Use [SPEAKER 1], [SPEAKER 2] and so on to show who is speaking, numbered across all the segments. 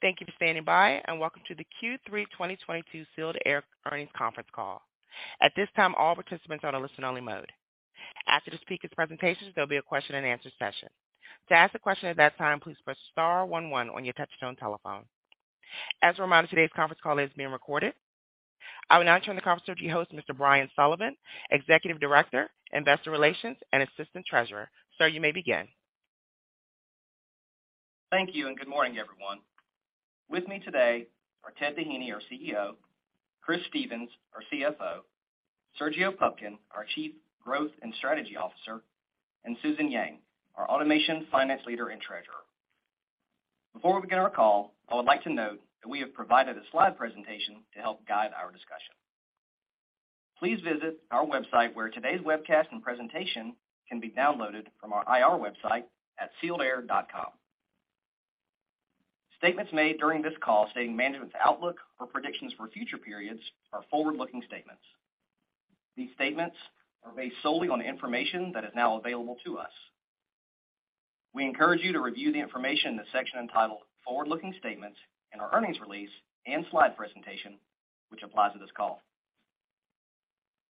[SPEAKER 1] Thank you for standing by, and welcome to the Q3 2022 Sealed Air earnings conference call. At this time, all participants are on a listen-only mode. After the speakers' presentation, there'll be a question-and-answer session. To ask a question at that time, please press star one one on your touch-tone telephone. As a reminder, today's conference call is being recorded. I will now turn the conference over to your host, Mr. Brian Sullivan, Executive Director, Investor Relations, and Assistant Treasurer. Sir, you may begin.
[SPEAKER 2] Thank you, and good morning, everyone. With me today are Ted Doheny, our CEO, Chris Stephens, our CFO, Sergio Pupkin, our Chief Growth and Strategy Officer, and Susan Yang, our Automation Finance Leader and Treasurer. Before we begin our call, I would like to note that we have provided a slide presentation to help guide our discussion. Please visit our website where today's webcast and presentation can be downloaded from our IR website at sealedair.com. Statements made during this call stating management's outlook or predictions for future periods are forward-looking statements. These statements are based solely on the information that is now available to us. We encourage you to review the information in the section entitled Forward-Looking Statements in our earnings release and slide presentation, which applies to this call.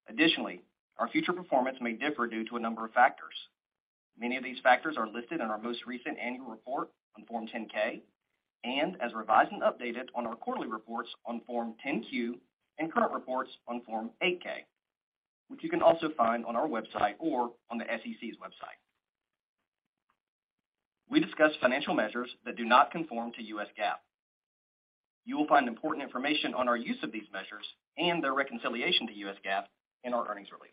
[SPEAKER 2] Additionally, our future performance may differ due to a number of factors. Many of these factors are listed in our most recent annual report on Form 10-K and as revised and updated on our quarterly reports on Form 10-Q and current reports on Form 8-K, which you can also find on our website or on the SEC's website. We discuss financial measures that do not conform to U.S. GAAP. You will find important information on our use of these measures and their reconciliation to U.S. GAAP in our earnings release.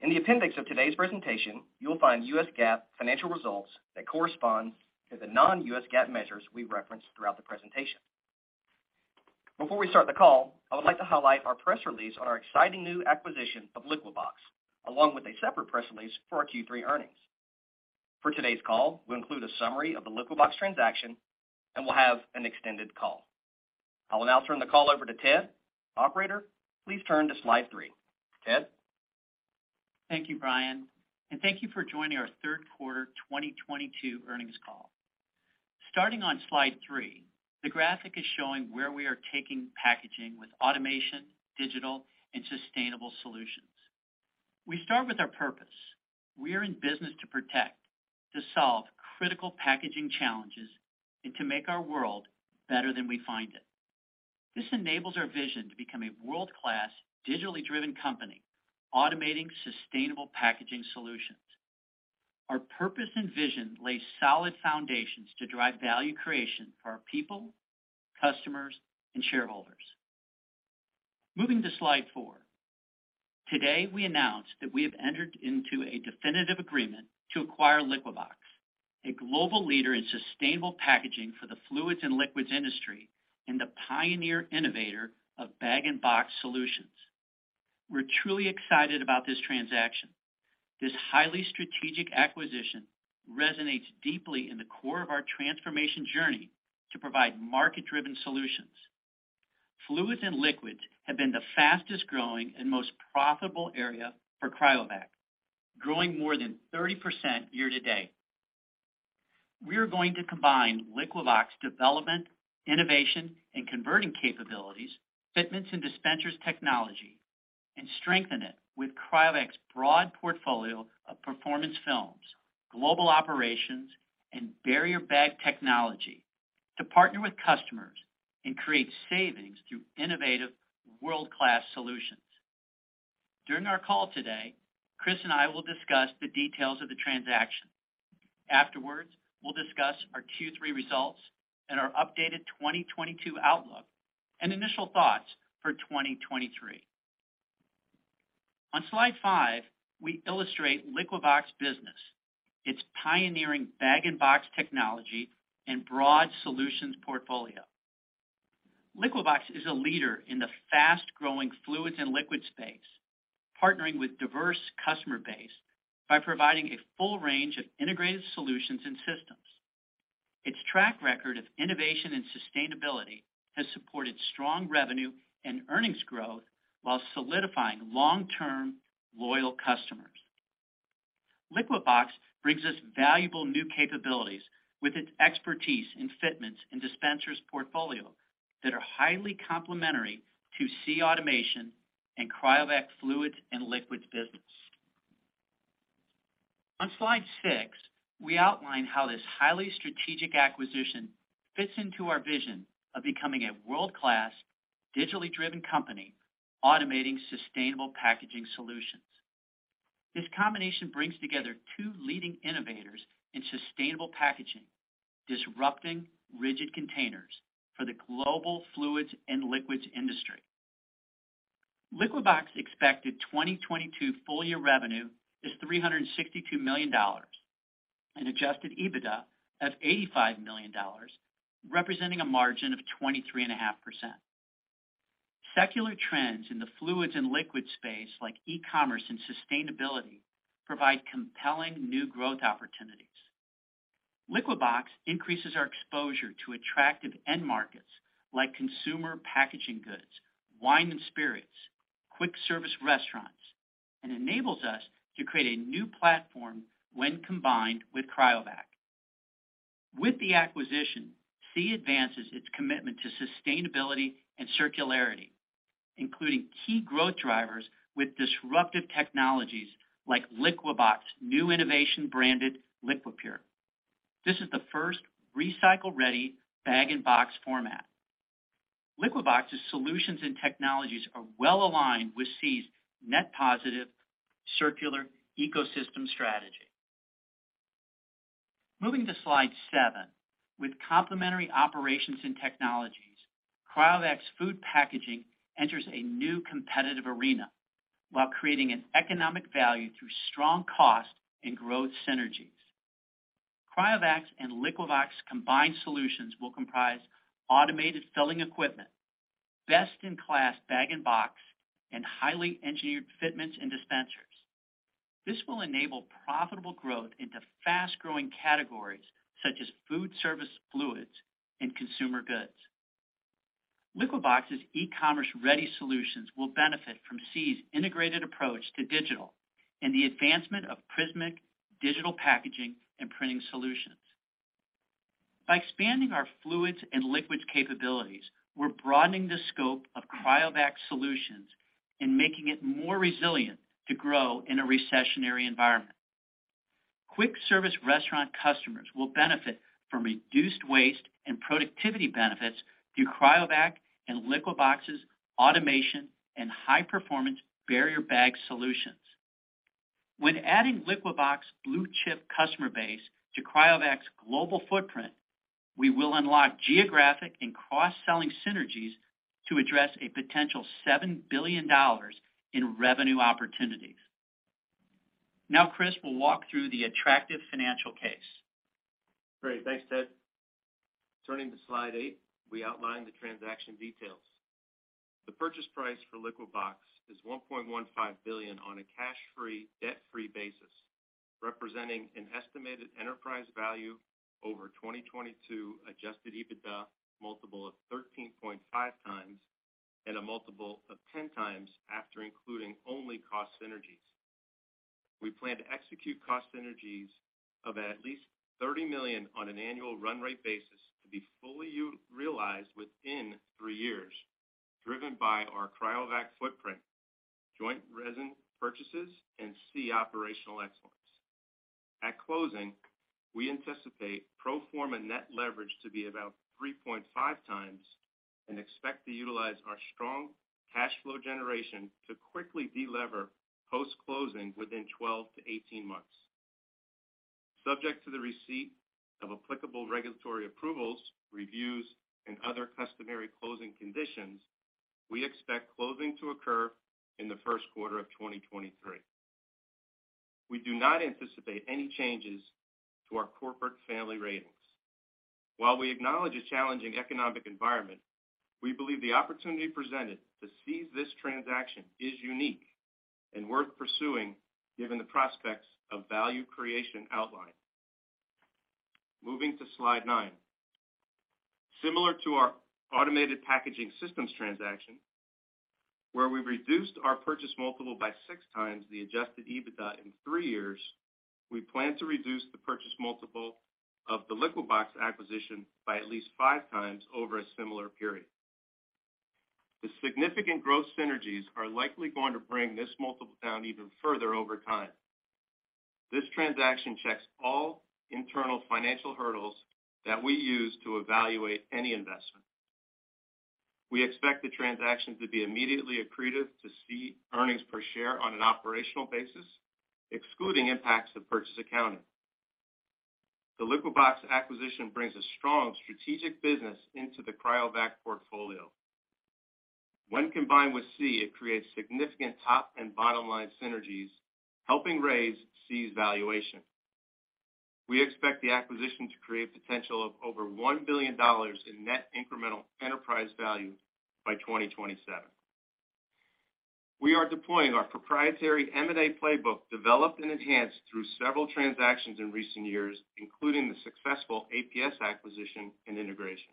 [SPEAKER 2] In the appendix of today's presentation, you will find U.S. GAAP financial results that correspond to the non-U.S. GAAP measures we referenced throughout the presentation. Before we start the call, I would like to highlight our press release on our exciting new acquisition of Liquibox, along with a separate press release for our Q3 earnings. For today's call, we'll include a summary of the Liquibox transaction, and we'll have an extended call. I will now turn the call over to Ted. Operator, please turn to slide three. Ted?
[SPEAKER 3] Thank you, Brian, and thank you for joining our third quarter 2022 earnings call. Starting on slide three, the graphic is showing where we are taking packaging with automation, digital, and sustainable solutions. We start with our purpose. We are in business to protect, to solve critical packaging challenges, and to make our world better than we find it. This enables our vision to become a world-class digitally driven company automating sustainable packaging solutions. Our purpose and vision lay solid foundations to drive value creation for our people, customers, and shareholders. Moving to slide four. Today, we announced that we have entered into a definitive agreement to acquire Liquibox, a global leader in sustainable packaging for the fluids and liquids industry and the pioneer innovator of bag and box solutions. We're truly excited about this transaction. This highly strategic acquisition resonates deeply in the core of our transformation journey to provide market-driven solutions. Fluids and liquids have been the fastest-growing and most profitable area for CRYOVAC, growing more than 30% year-to-date. We are going to combine Liquibox development, innovation, and converting capabilities, fitments and dispensers technology, and strengthen it with CRYOVAC's broad portfolio of performance films, global operations, and barrier bag technology to partner with customers and create savings through innovative world-class solutions. During our call today, Chris and I will discuss the details of the transaction. Afterwards, we'll discuss our Q3 results and our updated 2022 outlook and initial thoughts for 2023. On slide 5, we illustrate Liquibox business, its pioneering bag-in-box technology and broad solutions portfolio. Liquibox is a leader in the fast-growing fluids and liquids space, partnering with diverse customer base by providing a full range of integrated solutions and systems. Its track record of innovation and sustainability has supported strong revenue and earnings growth while solidifying long-term loyal customers. Liquibox brings us valuable new capabilities with its expertise in fitments and dispensers portfolio that are highly complementary to SEE automation and CRYOVAC fluids and liquids business. On slide six, we outline how this highly strategic acquisition fits into our vision of becoming a world-class digitally driven company automating sustainable packaging solutions. This combination brings together two leading innovators in sustainable packaging, disrupting rigid containers for the global fluids and liquids industry. Liquibox expected 2022 full year revenue is $362 million, an adjusted EBITDA of $85 million, representing a margin of 23.5%. Secular trends in the fluids and liquids space like e-commerce and sustainability provide compelling new growth opportunities. Liquibox increases our exposure to attractive end markets like consumer packaging goods, wine and spirits, quick service restaurants, and enables us to create a new platform when combined with Cryovac. With the acquisition, SEE advances its commitment to sustainability and circularity, including key growth drivers with disruptive technologies like Liquibox's new innovation branded Liquipure. This is the first recycle-ready bag and box format. Liquibox's solutions and technologies are well aligned with SEE's Net Positive Circular Ecosystem strategy. Moving to slide seven. With complementary operations and technologies, Cryovac's food packaging enters a new competitive arena while creating an economic value through strong cost and growth synergies. Cryovac's and Liquibox's combined solutions will comprise automated filling equipment, best in class bag and box, and highly engineered fitments and dispensers. This will enable profitable growth into fast-growing categories such as food service fluids and consumer goods. Liquibox's e-commerce ready solutions will benefit from SEE's integrated approach to digital and the advancement of prismiq digital packaging and printing solutions. By expanding our fluids and liquids capabilities, we're broadening the scope of CRYOVAC solutions and making it more resilient to grow in a recessionary environment. Quick service restaurant customers will benefit from reduced waste and productivity benefits through CRYOVAC and Liquibox's automation and high-performance barrier bag solutions. When adding Liquibox blue chip customer base to CRYOVAC's global footprint, we will unlock geographic and cross-selling synergies to address a potential $7 billion in revenue opportunities. Now Chris will walk through the attractive financial case.
[SPEAKER 4] Great. Thanks, Ted. Turning to slide eight, we outline the transaction details. The purchase price for Liquibox is $1.15 billion on a cash-free, debt-free basis, representing an estimated enterprise value over 2022 adjusted EBITDA multiple of 13.5x and a multiple of 10x after including only cost synergies. We plan to execute cost synergies of at least $30 million on an annual run rate basis to be fully realized within three years, driven by our CRYOVAC footprint, joint resin purchases and SEE operational excellence. At closing, we anticipate pro forma net leverage to be about 3.5x and expect to utilize our strong cash flow generation to quickly de-lever post-closing within 12-18 months. Subject to the receipt of applicable regulatory approvals, reviews, and other customary closing conditions, we expect closing to occur in the first quarter of 2023. We do not anticipate any changes to our corporate family ratings. While we acknowledge a challenging economic environment, we believe the opportunity presented to seize this transaction is unique and worth pursuing given the prospects of value creation outlined. Moving to slide nine. Similar to our automated packaging systems transaction, where we reduced our purchase multiple by 6x adjusted EBITDA in three years, we plan to reduce the purchase multiple of the Liquibox acquisition by at least 5x over a similar period. The significant growth synergies are likely going to bring this multiple down even further over time. This transaction checks all internal financial hurdles that we use to evaluate any investment. We expect the transaction to be immediately accretive to SEE earnings per share on an operational basis, excluding impacts of purchase accounting. The Liquibox acquisition brings a strong strategic business into the Cryovac portfolio. When combined with SEE, it creates significant top and bottom line synergies, helping raise SEE's valuation. We expect the acquisition to create potential of over $1 billion in net incremental enterprise value by 2027. We are deploying our proprietary M&A playbook developed and enhanced through several transactions in recent years, including the successful APS acquisition and integration.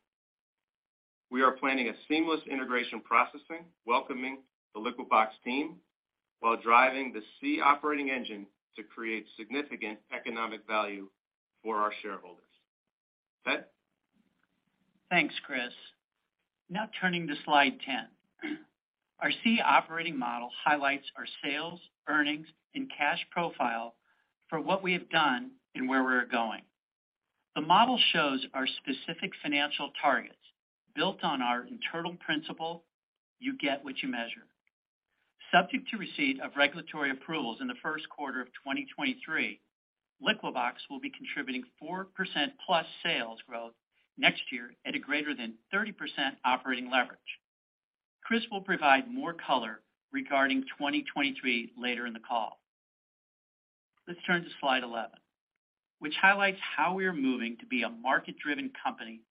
[SPEAKER 4] We are planning a seamless integration process, welcoming the Liquibox team while driving the SEE operating model to create significant economic value for our shareholders. Ted?
[SPEAKER 3] Thanks, Chris. Now turning to slide 10. Our SEE Operating Model highlights our sales, earnings, and cash profile for what we have done and where we're going. The model shows our specific financial targets built on our internal principle, you get what you measure. Subject to receipt of regulatory approvals in the first quarter of 2023, Liquibox will be contributing 4%+ sales growth next year at a greater than 30% operating leverage. Chris will provide more color regarding 2023 later in the call. Let's turn to slide 11, which highlights how we are moving to be a market-driven company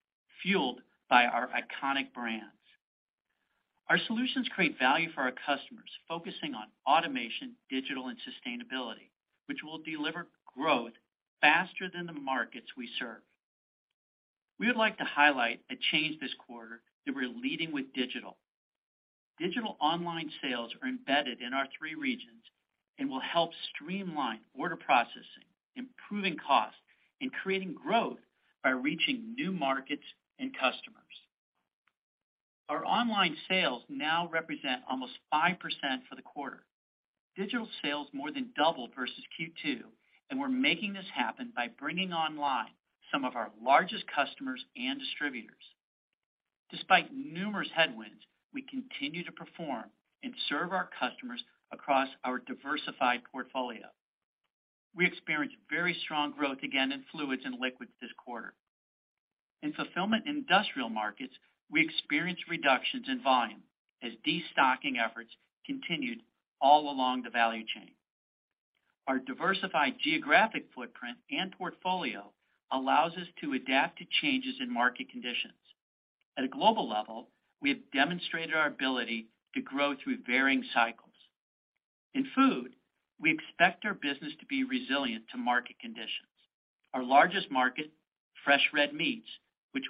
[SPEAKER 3] fueled by our iconic brands. Our solutions create value for our customers, focusing on automation, digital, and sustainability, which will deliver growth faster than the markets we serve. We would like to highlight a change this quarter that we're leading with digital. Digital online sales are embedded in our three regions and will help streamline order processing, improving cost, and creating growth by reaching new markets and customers. Our online sales now represent almost 5% for the quarter. Digital sales more than doubled versus Q2, and we're making this happen by bringing online some of our largest customers and distributors. Despite numerous headwinds, we continue to perform and serve our customers across our diversified portfolio. We experienced very strong growth again in fluids and liquids this quarter. In fulfillment industrial markets, we experienced reductions in volume as destocking efforts continued all along the value chain. Our diversified geographic footprint and portfolio allows us to adapt to changes in market conditions. At a global level, we have demonstrated our ability to grow through varying cycles. In food, we expect our business to be resilient to market conditions. Our largest market, fresh red meats, which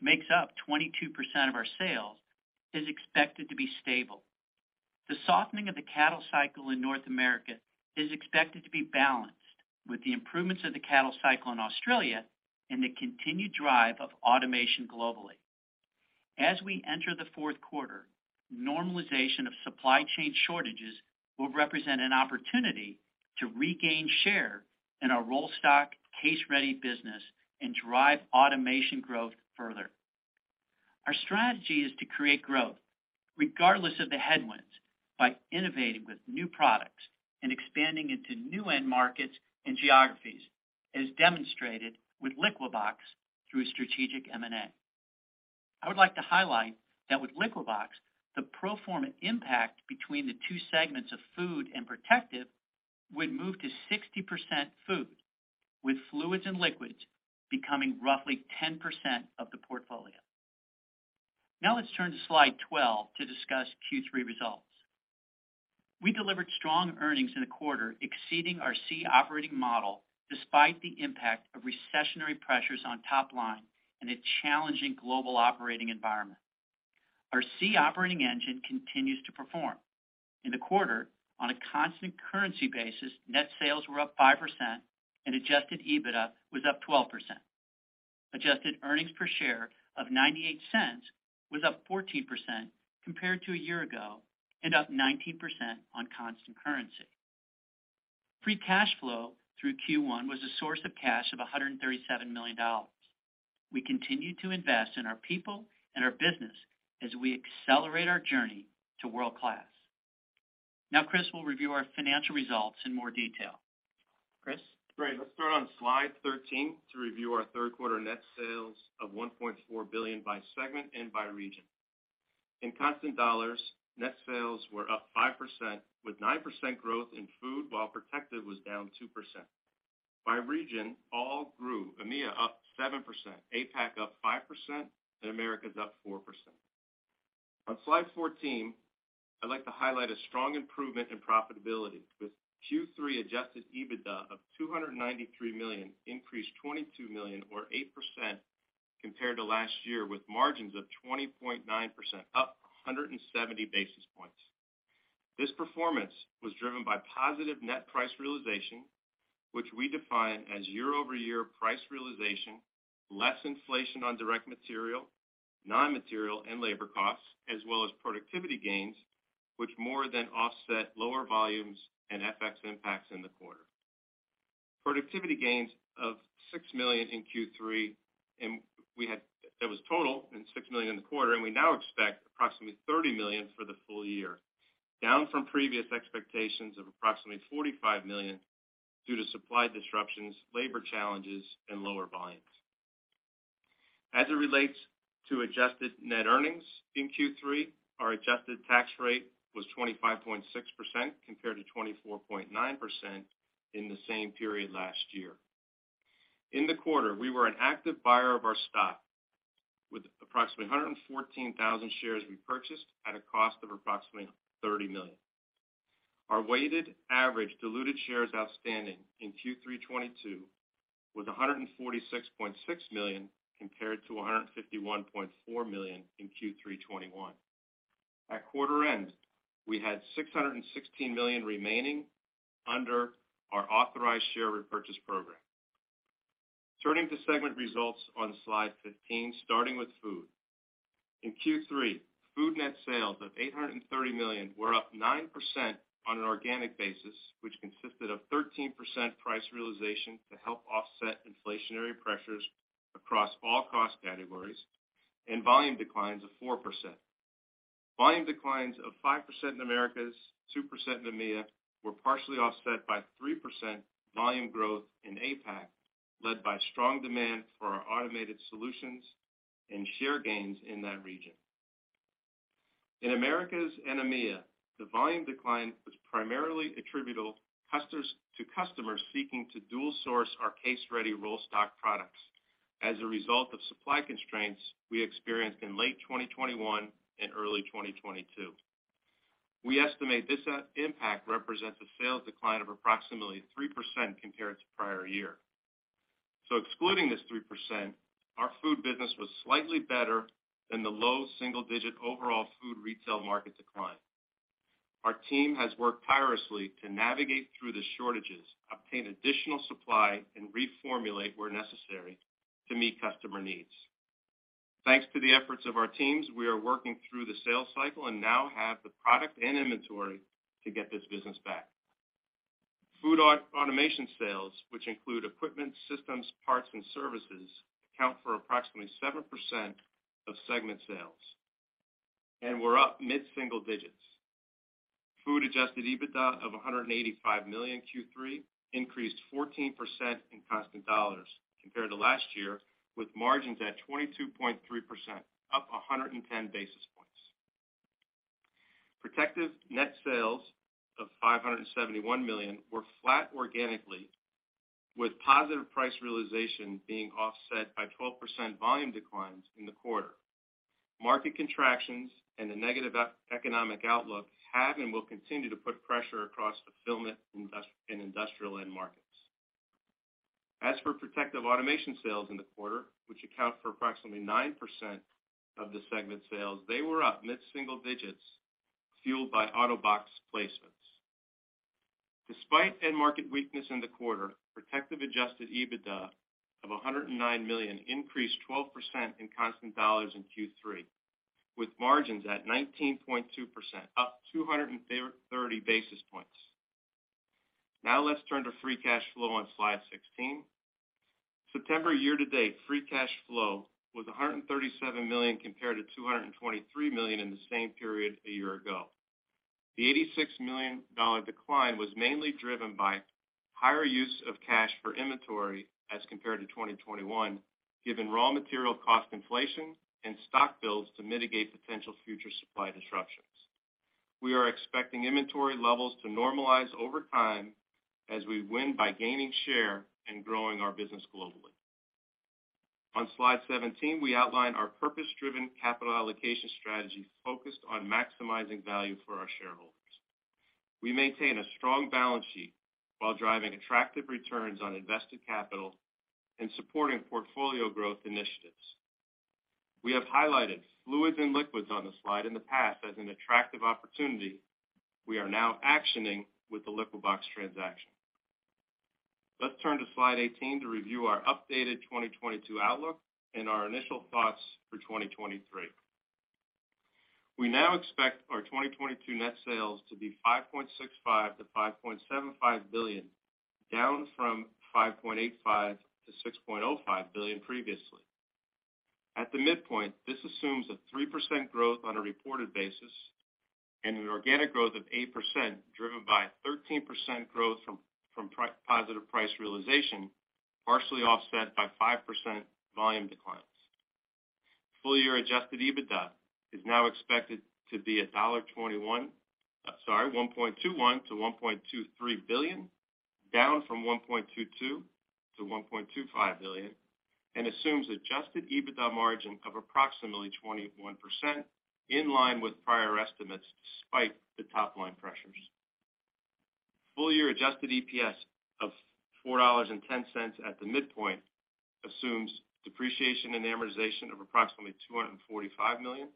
[SPEAKER 3] makes up 22% of our sales, is expected to be stable. The softening of the cattle cycle in North America is expected to be balanced with the improvements of the cattle cycle in Australia and the continued drive of automation globally. As we enter the fourth quarter, normalization of supply chain shortages will represent an opportunity to regain share in our roll stock case-ready business and drive automation growth further. Our strategy is to create growth regardless of the headwinds by innovating with new products and expanding into new end markets and geographies, as demonstrated with Liquibox through a strategic M&A. I would like to highlight that with Liquibox, the pro forma impact between the two segments of food and protective would move to 60% food, with fluids and liquids becoming roughly 10% of the portfolio. Now let's turn to slide 12 to discuss Q3 results. We delivered strong earnings in the quarter, exceeding our SEE operating model despite the impact of recessionary pressures on top line and a challenging global operating environment. Our SEE operating engine continues to perform. In the quarter, on a constant currency basis, net sales were up 5% and adjusted EBITDA was up 12%. Adjusted earnings per share of $0.98 was up 14% compared to a year ago and up 19% on constant currency. Free cash flow through Q1 was a source of cash of $137 million. We continue to invest in our people and our business as we accelerate our journey to world-class. Now Chris will review our financial results in more detail. Chris?
[SPEAKER 4] Great. Let's start on slide 13 to review our third quarter net sales of $1.4 billion by segment and by region. In constant dollars, net sales were up 5%, with 9% growth in food, while protective was down 2%. By region, all grew, EMEA up 7%, APAC up 5%, and Americas up 4%. On slide 14, I'd like to highlight a strong improvement in profitability, with Q3 adjusted EBITDA of $293 million increased $22 million or 8% compared to last year, with margins of 20.9% up 170 basis points. This performance was driven by positive net price realization, which we define as year-over-year price realization, less inflation on direct material, non-material and labor costs, as well as productivity gains, which more than offset lower volumes and FX impacts in the quarter. Productivity gains of $6 million in Q3, that was a total of $6 million in the quarter, and we now expect approximately $30 million for the full year, down from previous expectations of approximately $45 million due to supply disruptions, labor challenges, and lower volumes. As it relates to adjusted net earnings in Q3, our adjusted tax rate was 25.6% compared to 24.9% in the same period last year. In the quarter, we were an active buyer of our stock with approximately 114,000 shares we purchased at a cost of approximately $30 million. Our weighted average diluted shares outstanding in Q3 2022 was 146.6 million compared to 151.4 million in Q3 2021. At quarter end, we had $616 million remaining under our authorized share repurchase program. Turning to segment results on slide 15, starting with food. In Q3, food net sales of $830 million were up 9% on an organic basis, which consisted of 13% price realization to help offset inflationary pressures across all cost categories and volume declines of 4%. Volume declines of 5% in Americas, 2% in EMEA were partially offset by 3% volume growth in APAC, led by strong demand for our automated solutions and share gains in that region. In Americas and EMEA, the volume decline was primarily attributable to customers seeking to dual source our case-ready roll stock products as a result of supply constraints we experienced in late 2021 and early 2022. We estimate this impact represents a sales decline of approximately 3% compared to prior year. Excluding this 3%, our Food business was slightly better than the low single-digit overall food retail market decline. Our team has worked tirelessly to navigate through the shortages, obtain additional supply, and reformulate where necessary to meet customer needs. Thanks to the efforts of our teams, we are working through the sales cycle and now have the product and inventory to get this business back. Food automation sales, which include equipment, systems, parts, and services, account for approximately 7% of segment sales and were up mid-single digits. Food adjusted EBITDA of $185 million in Q3 increased 14% in constant dollars compared to last year, with margins at 22.3%, up 110 basis points. Protective net sales of $571 million were flat organically, with positive price realization being offset by 12% volume declines in the quarter. Market contractions and the negative economic outlook have and will continue to put pressure across fulfillment in industrial end markets. As for protective automation sales in the quarter, which account for approximately 9% of the segment sales, they were up mid-single digits, fueled by Autobag placements. Despite end market weakness in the quarter, protective adjusted EBITDA of $109 million increased 12% in constant dollars in Q3, with margins at 19.2%, up 230 basis points. Now let's turn to free cash flow on slide 16. September year-to-date free cash flow was $137 million compared to $223 million in the same period a year ago. The $86 million decline was mainly driven by higher use of cash for inventory as compared to 2021, given raw material cost inflation and stock builds to mitigate potential future supply disruptions. We are expecting inventory levels to normalize over time as we win by gaining share and growing our business globally. On slide 17, we outline our purpose-driven capital allocation strategy focused on maximizing value for our shareholders. We maintain a strong balance sheet while driving attractive returns on invested capital and supporting portfolio growth initiatives. We have highlighted fluids and liquids on the slide in the past as an attractive opportunity we are now actioning with the Liquibox transaction. Let's turn to slide 18 to review our updated 2022 outlook and our initial thoughts for 2023. We now expect our 2022 net sales to be $5.65 billion-$5.75 billion, down from $5.85 billion-$6.05 billion previously. At the midpoint, this assumes a 3% growth on a reported basis and an organic growth of 8%, driven by a 13% growth from positive price realization, partially offset by 5% volume declines. Full year adjusted EBITDA is now expected to be $1.21 billion-$1.23 billion, down from $1.22 billion-$1.25 billion, and assumes adjusted EBITDA margin of approximately 21%, in line with prior estimates despite the top-line pressures. Full year adjusted EPS of $4.10 at the midpoint assumes depreciation and amortization of approximately $245 million,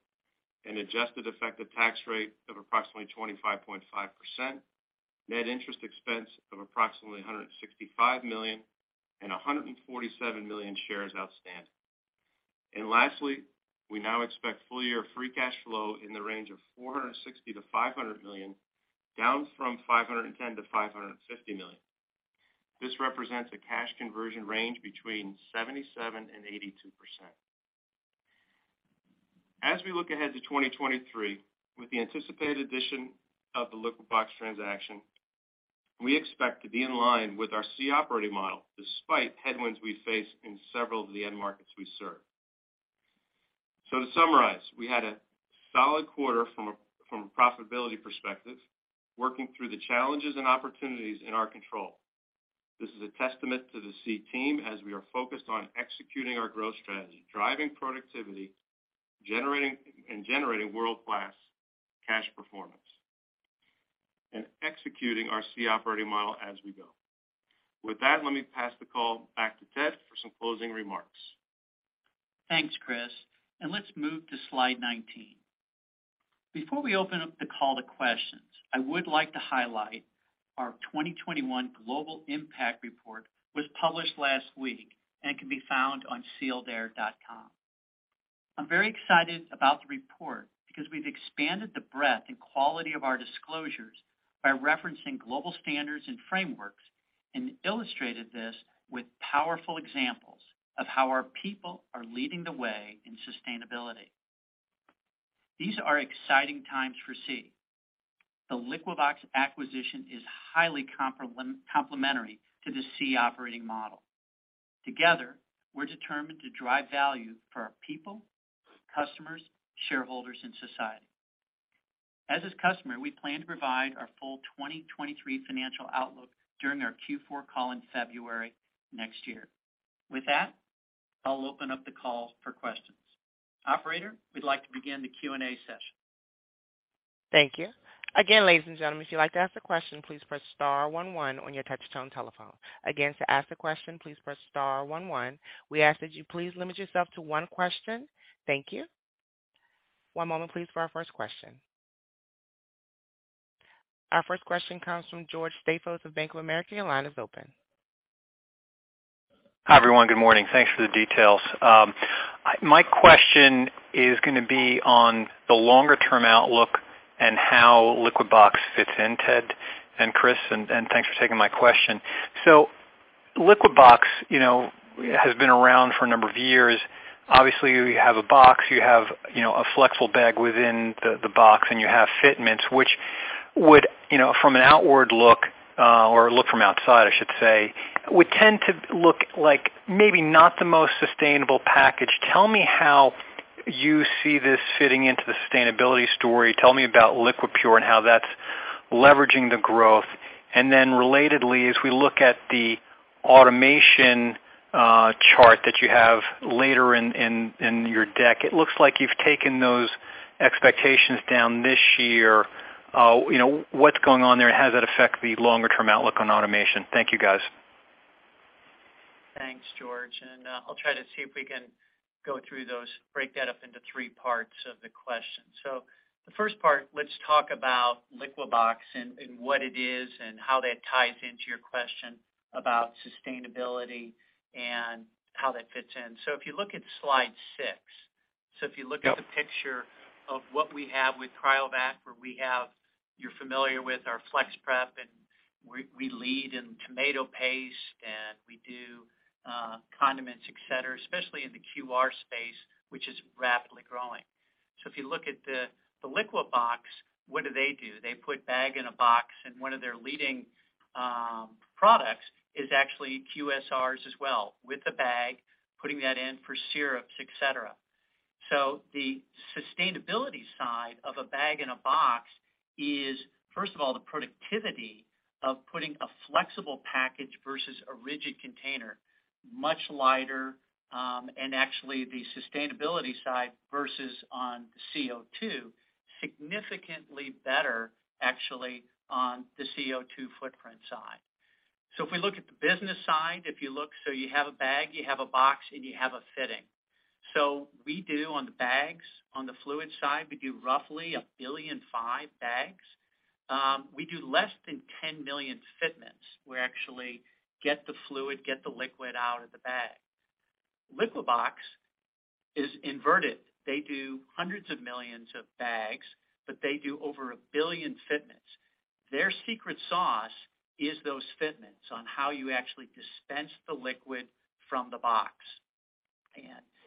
[SPEAKER 4] an adjusted effective tax rate of approximately 25.5%, net interest expense of approximately $165 million, and 147 million shares outstanding. Lastly, we now expect full year free cash flow in the range of $460 million-$500 million, down from $510 million-$550 million. This represents a cash conversion range between 77%-82%. As we look ahead to 2023, with the anticipated addition of the Liquibox transaction, we expect to be in line with our SEE Operating Model despite headwinds we face in several of the end markets we serve. To summarize, we had a solid quarter from a profitability perspective, working through the challenges and opportunities in our control. This is a testament to the SEE team as we are focused on executing our growth strategy, driving productivity, generating world-class cash performance, and executing our SEE Operating Model as we go. With that, let me pass the call back to Ted for some closing remarks.
[SPEAKER 3] Thanks, Chris. Let's move to slide 19. Before we open up the call to questions, I would like to highlight our 2021 Global Impact Report was published last week and can be found on sealedair.com. I'm very excited about the report because we've expanded the breadth and quality of our disclosures by referencing global standards and frameworks and illustrated this with powerful examples of how our people are leading the way in sustainability. These are exciting times for SEE. The Liquibox acquisition is highly complementary to the SEE Operating Model. Together, we're determined to drive value for our people, customers, shareholders, and society. As is customary, we plan to provide our full 2023 financial outlook during our Q4 call in February next year. With that, I'll open up the call for questions. Operator, we'd like to begin the Q&A session.
[SPEAKER 1] Thank you. Again, ladies and gentlemen, if you'd like to ask a question, please press star one one on your touchtone telephone. Again, to ask a question, please press star one one. We ask that you please limit yourself to one question. Thank you. One moment please for our first question. Our first question comes from George Staphos of Bank of America. Your line is open.
[SPEAKER 5] Hi, everyone. Good morning. Thanks for the details. My question is gonna be on the longer-term outlook and how Liquibox fits in, Ted and Chris, and thanks for taking my question. Liquibox, you know, has been around for a number of years. Obviously, you have a box, you have, you know, a flexible bag within the box, and you have fitments, which would, you know, from an outward look or look from outside, I should say, would tend to look like maybe not the most sustainable package. Tell me how you see this fitting into the sustainability story. Tell me about Liquipure and how that's leveraging the growth. And then relatedly, as we look at the automation chart that you have later in your deck, it looks like you've taken those expectations down this year. You know, what's going on there? How does that affect the longer-term outlook on automation? Thank you, guys.
[SPEAKER 3] Thanks, George. I'll try to see if we can go through those, break that up into three parts of the question. The first part, let's talk about Liquibox and what it is and how that ties into your question about sustainability and how that fits in. If you look at slide six. If you look at the picture of what we have with CRYOVAC, where we have. You're familiar with our FlexPrep, and we lead in tomato paste, and we do condiments, et cetera, especially in the QSR space, which is rapidly growing. If you look at the Liquibox, what do they do? They put bag-in-box, and one of their leading products is actually QSRs as well, with the bag, putting that in for syrups, et cetera. The sustainability side of a bag-in-box is, first of all, the productivity of putting a flexible package versus a rigid container, much lighter, and actually the sustainability side versus on the CO2, significantly better actually on the CO2 footprint side. If we look at the business side, if you look, you have a bag, you have a box, and you have a fitting. We do on the bags. On the fluid side, we do roughly 1 billion and five bags. We do less than 10 million fitments. We actually get the fluid, get the liquid out of the bag. Liquibox is inverted. They do hundreds of millions of bags, but they do over 1 billion fitments. Their secret sauce is those fitments on how you actually dispense the liquid from the box.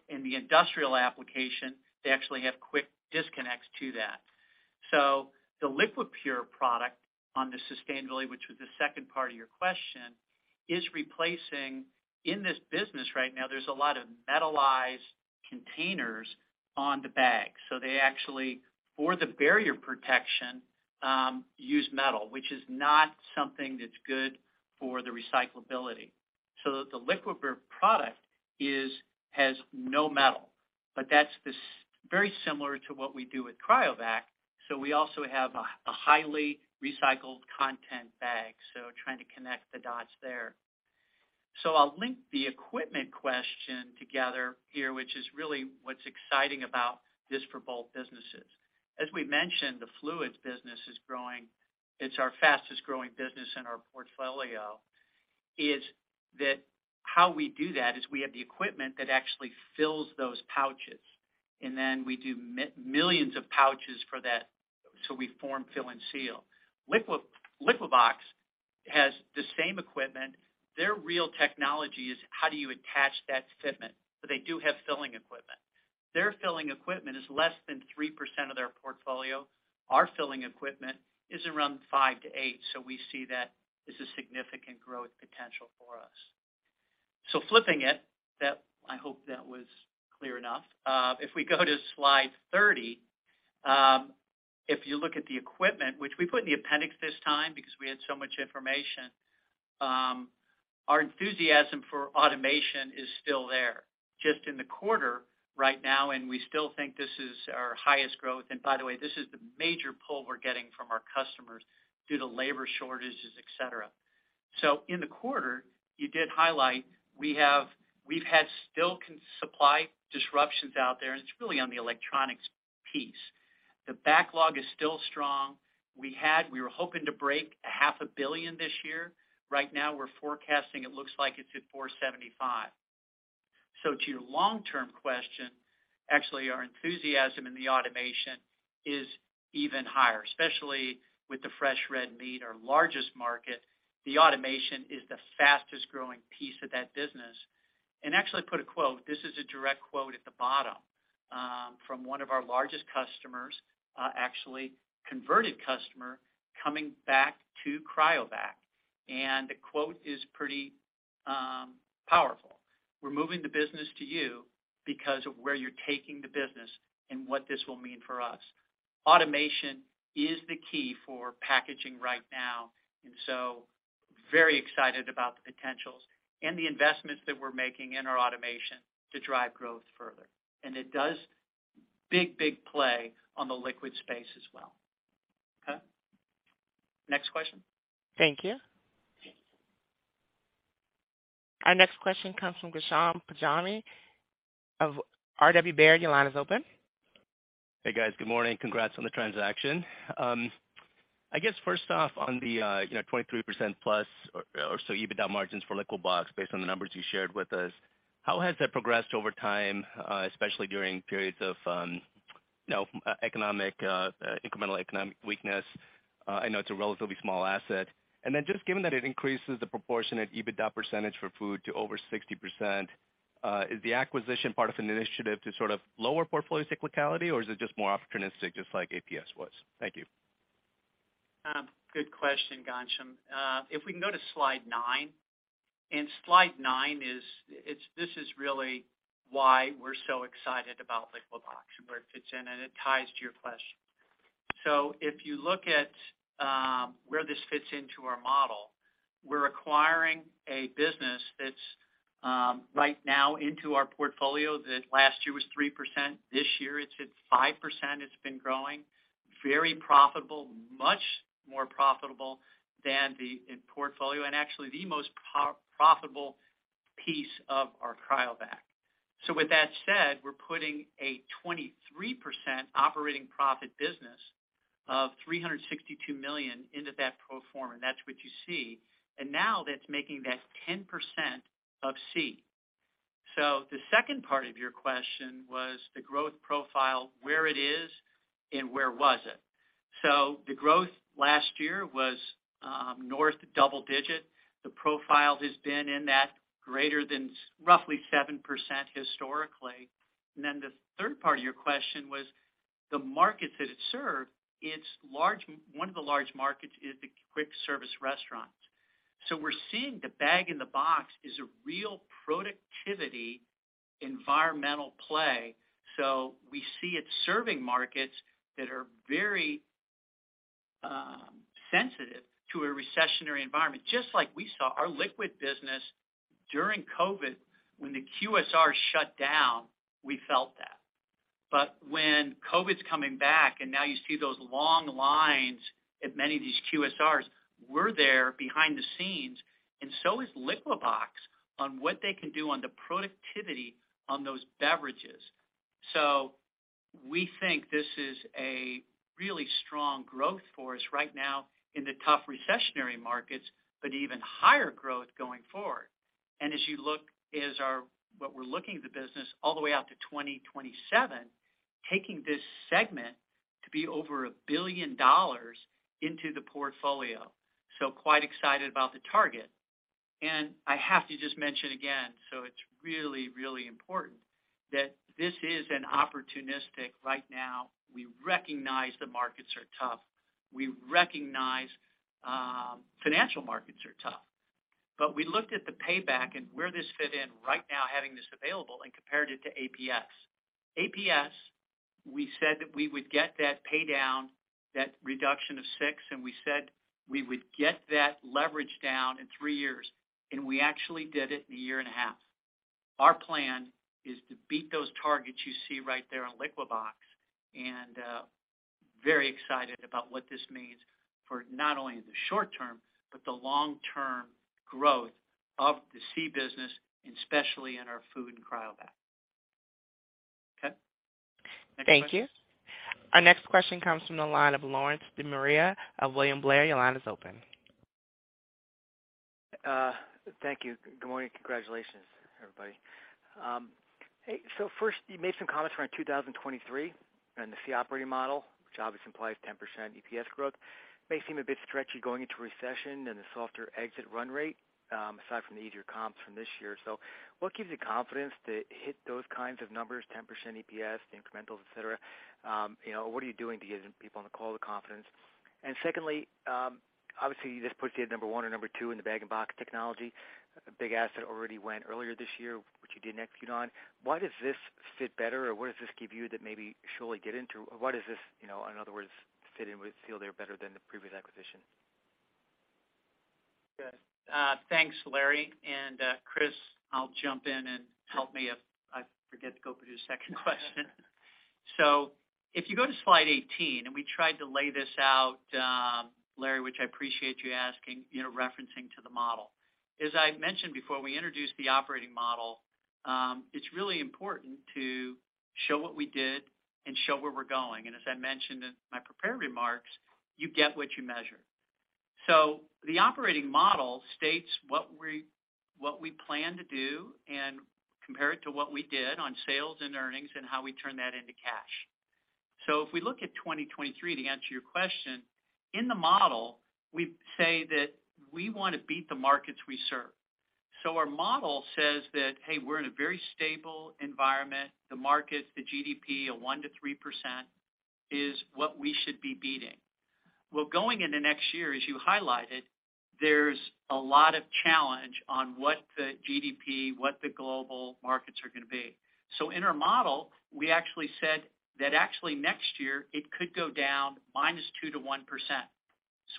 [SPEAKER 3] In the industrial application, they actually have quick disconnects to that. The Liquipure product on the sustainability, which was the second part of your question, is replacing. In this business right now, there's a lot of metallized containers on the bag. They actually, for the barrier protection, use metal, which is not something that's good for the recyclability. The Liquipure product is has no metal, but that's very similar to what we do with CRYOVAC. We also have a highly recycled content bag, so trying to connect the dots there. I'll link the equipment question together here, which is really what's exciting about this for both businesses. As we mentioned, the fluids business is growing. It's our fastest-growing business in our portfolio. How we do that is we have the equipment that actually fills those pouches. We do millions of pouches for that, so we form, fill, and seal. Liquibox has the same equipment. Their real technology is how do you attach that fitment, but they do have filling equipment. Their filling equipment is less than 3% of their portfolio. Our filling equipment is around 5%-8%, so we see that as a significant growth potential for us. Flipping it, that I hope that was clear enough. If we go to slide 30, if you look at the equipment, which we put in the appendix this time because we had so much information, our enthusiasm for automation is still there. Just in the quarter right now, and we still think this is our highest growth. By the way, this is the major pull we're getting from our customers due to labor shortages, et cetera. In the quarter, you did highlight we've had supply disruptions out there, and it's really on the electronics piece. The backlog is still strong. We were hoping to break $ half a billion this year. Right now, we're forecasting, it looks like it's at $475 million. To your long-term question, actually, our enthusiasm in the automation is even higher, especially with the fresh red meat, our largest market. The automation is the fastest-growing piece of that business. Actually put a quote. This is a direct quote at the bottom from one of our largest customers, actually converted customer coming back to CRYOVAC. The quote is pretty powerful. "We're moving the business to you." Because of where you're taking the business and what this will mean for us. Automation is the key for packaging right now, and so very excited about the potentials and the investments that we're making in our automation to drive growth further. It does big, big play on the liquid space as well. Okay. Next question.
[SPEAKER 1] Thank you. Our next question comes from Ghansham Panjabi of R.W. Baird. Your line is open.
[SPEAKER 6] Hey, guys. Good morning. Congrats on the transaction. I guess first off, on the, you know, 23%+ or so EBITDA margins for Liquibox based on the numbers you shared with us, how has that progressed over time, especially during periods of, you know, economic, incremental economic weakness? I know it's a relatively small asset. Just given that it increases the proportionate EBITDA percentage for food to over 60%, is the acquisition part of an initiative to sort of lower portfolio cyclicality, or is it just more opportunistic, just like APS was? Thank you.
[SPEAKER 3] Good question, Ghansham. If we can go to slide nine. Slide nine is this is really why we're so excited about Liquibox and where it fits in, and it ties to your question. If you look at where this fits into our model, we're acquiring a business that's right now into our portfolio that last year was 3%. This year it's at 5%. It's been growing very profitable, much more profitable than the portfolio and actually the most profitable piece of our Cryovac. With that said, we're putting a 23% operating profit business of $362 million into that pro forma, and that's what you see. Now that's making that 10% of SEE. The second part of your question was the growth profile, where it is and where was it. The growth last year was north double digit. The profile has been in that greater than roughly 7% historically. The third part of your question was the markets that it served. One of the large markets is the quick service restaurants. We're seeing the bag-in-box is a real productivity environmental play. We see it serving markets that are very sensitive to a recessionary environment. Just like we saw our liquid business during COVID, when the QSR shut down, we felt that. When COVID's coming back and now you see those long lines at many of these QSRs, we're there behind the scenes, and so is Liquibox on what they can do on the productivity on those beverages. We think this is a really strong growth for us right now in the tough recessionary markets, but even higher growth going forward. What we're looking at the business all the way out to 2027, taking this segment to be over $1 billion into the portfolio. Quite excited about the target. I have to just mention again, it's really, really important that this is an opportunistic right now. We recognize the markets are tough. We recognize financial markets are tough. We looked at the payback and where this fit in right now having this available and compared it to APS. APS, we said that we would get that pay down, that reduction of six, and we said we would get that leverage down in three years, and we actually did it in a year and a half. Our plan is to beat those targets you see right there on Liquibox, and very excited about what this means for not only the short term, but the long-term growth of the C business, especially in our food and Cryovac. Okay. Next question.
[SPEAKER 1] Thank you. Our next question comes from the line of Lawrence De Maria of William Blair. Your line is open.
[SPEAKER 7] Thank you. Good morning. Congratulations, everybody. First, you made some comments around 2023 and the SEE Operating Model, which obviously implies 10% EPS growth, may seem a bit stretchy going into recession and the softer exit run rate, aside from the easier comps from this year. What gives you confidence to hit those kinds of numbers, 10% EPS, incrementals, et cetera? You know, what are you doing to give people on the call the confidence? Secondly, obviously, this puts you at number one or number two in the bag-in-box technology. A big asset already went earlier this year, which you did execute on. Why does this fit better, or where does this give you that maybe surely get into? Why does this, you know, in other words, fit in with Sealed Air better than the previous acquisition?
[SPEAKER 3] Good. Thanks, Larry. Chris, I'll jump in and help me if I forget to go through the second question. If you go to slide 18, we tried to lay this out, Larry, which I appreciate you asking, referencing to the model. As I mentioned before, we introduced the operating model. It's really important to show what we did and show where we're going. As I mentioned in my prepared remarks, you get what you measure. The operating model states what we plan to do and compare it to what we did on sales and earnings and how we turn that into cash. If we look at 2023, to answer your question, in the model, we say that we want to beat the markets we serve. Our model says that, hey, we're in a very stable environment. The markets, the GDP of 1%-3% is what we should be beating. Well, going into next year, as you highlighted, there's a lot of challenge on what the GDP, what the global markets are gonna be. In our model, we actually said that actually next year it could go down -2% to 1%.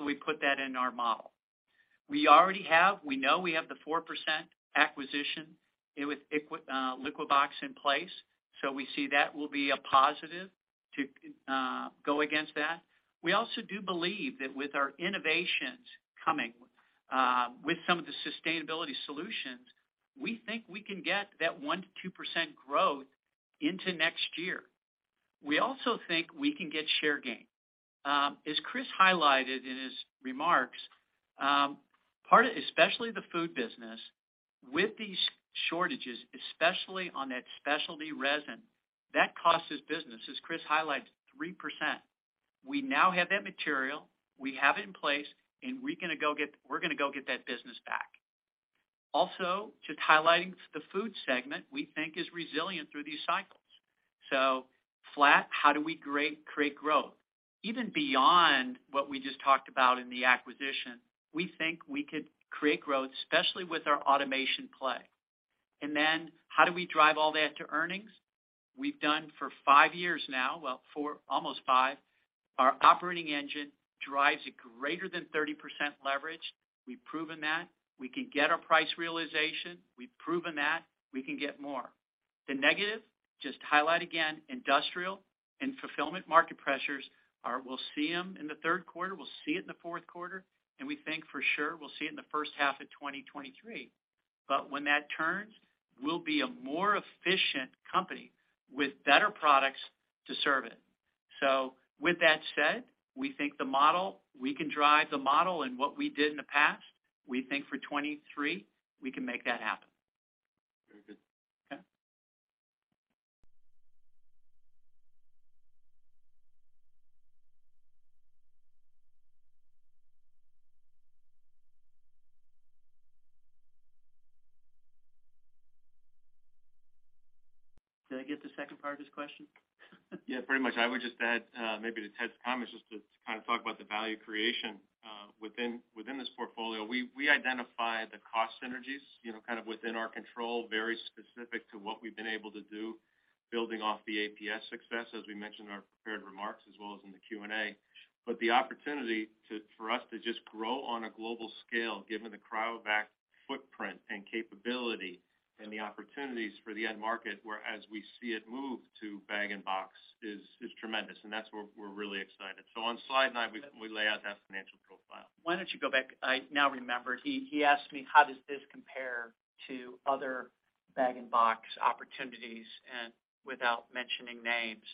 [SPEAKER 3] We put that in our model. We already have, we know we have the 4% acquisition with Liquibox in place, so we see that will be a positive to go against that. We also do believe that with our innovations coming with some of the sustainability solutions, we think we can get that 1%-2% growth into next year. We also think we can get share gain. As Chris highlighted in his remarks, part of especially the Food business with these shortages, especially on that specialty resin, that costs this business, as Chris highlights, 3%. We now have that material, we have it in place, and we're gonna go get that business back. Also, just highlighting the Food segment, we think is resilient through these cycles. Flat, how do we create growth? Even beyond what we just talked about in the acquisition, we think we could create growth, especially with our automation play. Then how do we drive all that to earnings? We've done for five years now, well, four, almost five. Our operating engine drives a greater than 30% leverage. We've proven that. We can get our price realization. We've proven that. We can get more. The negative, just to highlight again, industrial and fulfillment market pressures are, we'll see them in the third quarter, we'll see it in the fourth quarter, and we think for sure we'll see it in the first half of 2023. When that turns, we'll be a more efficient company with better products to serve it. With that said, we think the model, we can drive the model and what we did in the past, we think for 2023, we can make that happen.
[SPEAKER 4] Very good.
[SPEAKER 3] Okay. Did I get the second part of his question?
[SPEAKER 4] Yeah, pretty much. I would just add, maybe to Ted's comments, just to kind of talk about the value creation within this portfolio. We identify the cost synergies, you know, kind of within our control, very specific to what we've been able to do, building off the APS success, as we mentioned in our prepared remarks as well as in the Q&A. The opportunity for us to just grow on a global scale, given the Cryovac footprint and capability and the opportunities for the end market, where as we see it move to bag-in-box is tremendous, and that's where we're really excited. On slide nine, we lay out that financial profile.
[SPEAKER 3] Why don't you go back? I now remember. He asked me, how does this compare to other bag and box opportunities and without mentioning names.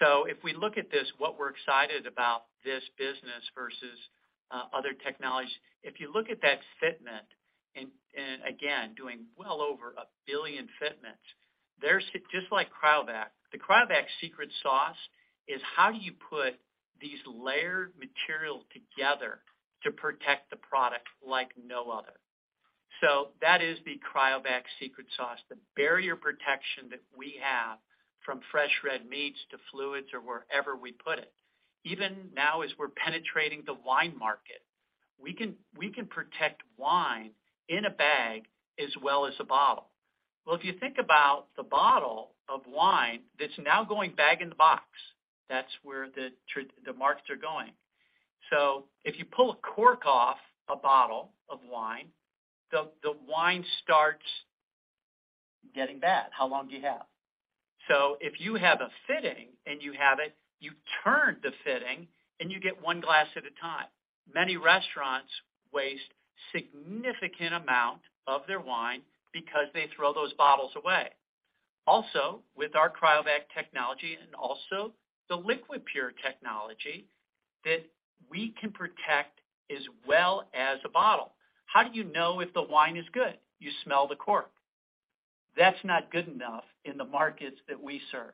[SPEAKER 3] If we look at this, what we're excited about this business versus other technologies. If you look at that fitment, and again, doing well over 1 billion fitments, they're just like Cryovac. The Cryovac secret sauce is how do you put these layered materials together to protect the product like no other. That is the Cryovac secret sauce, the barrier protection that we have from fresh red meats to fluids or wherever we put it. Even now as we're penetrating the wine market, we can protect wine in a bag as well as a bottle. Well, if you think about the bottle of wine that's now going bag-in-box, that's where the markets are going. If you pull a cork off a bottle of wine, the wine starts getting bad. How long do you have? If you have a fitting and you have it, you turn the fitting, and you get one glass at a time. Many restaurants waste significant amount of their wine because they throw those bottles away. Also, with our CRYOVAC technology and also the Liquipure technology that we can protect as well as a bottle. How do you know if the wine is good? You smell the cork. That's not good enough in the markets that we serve.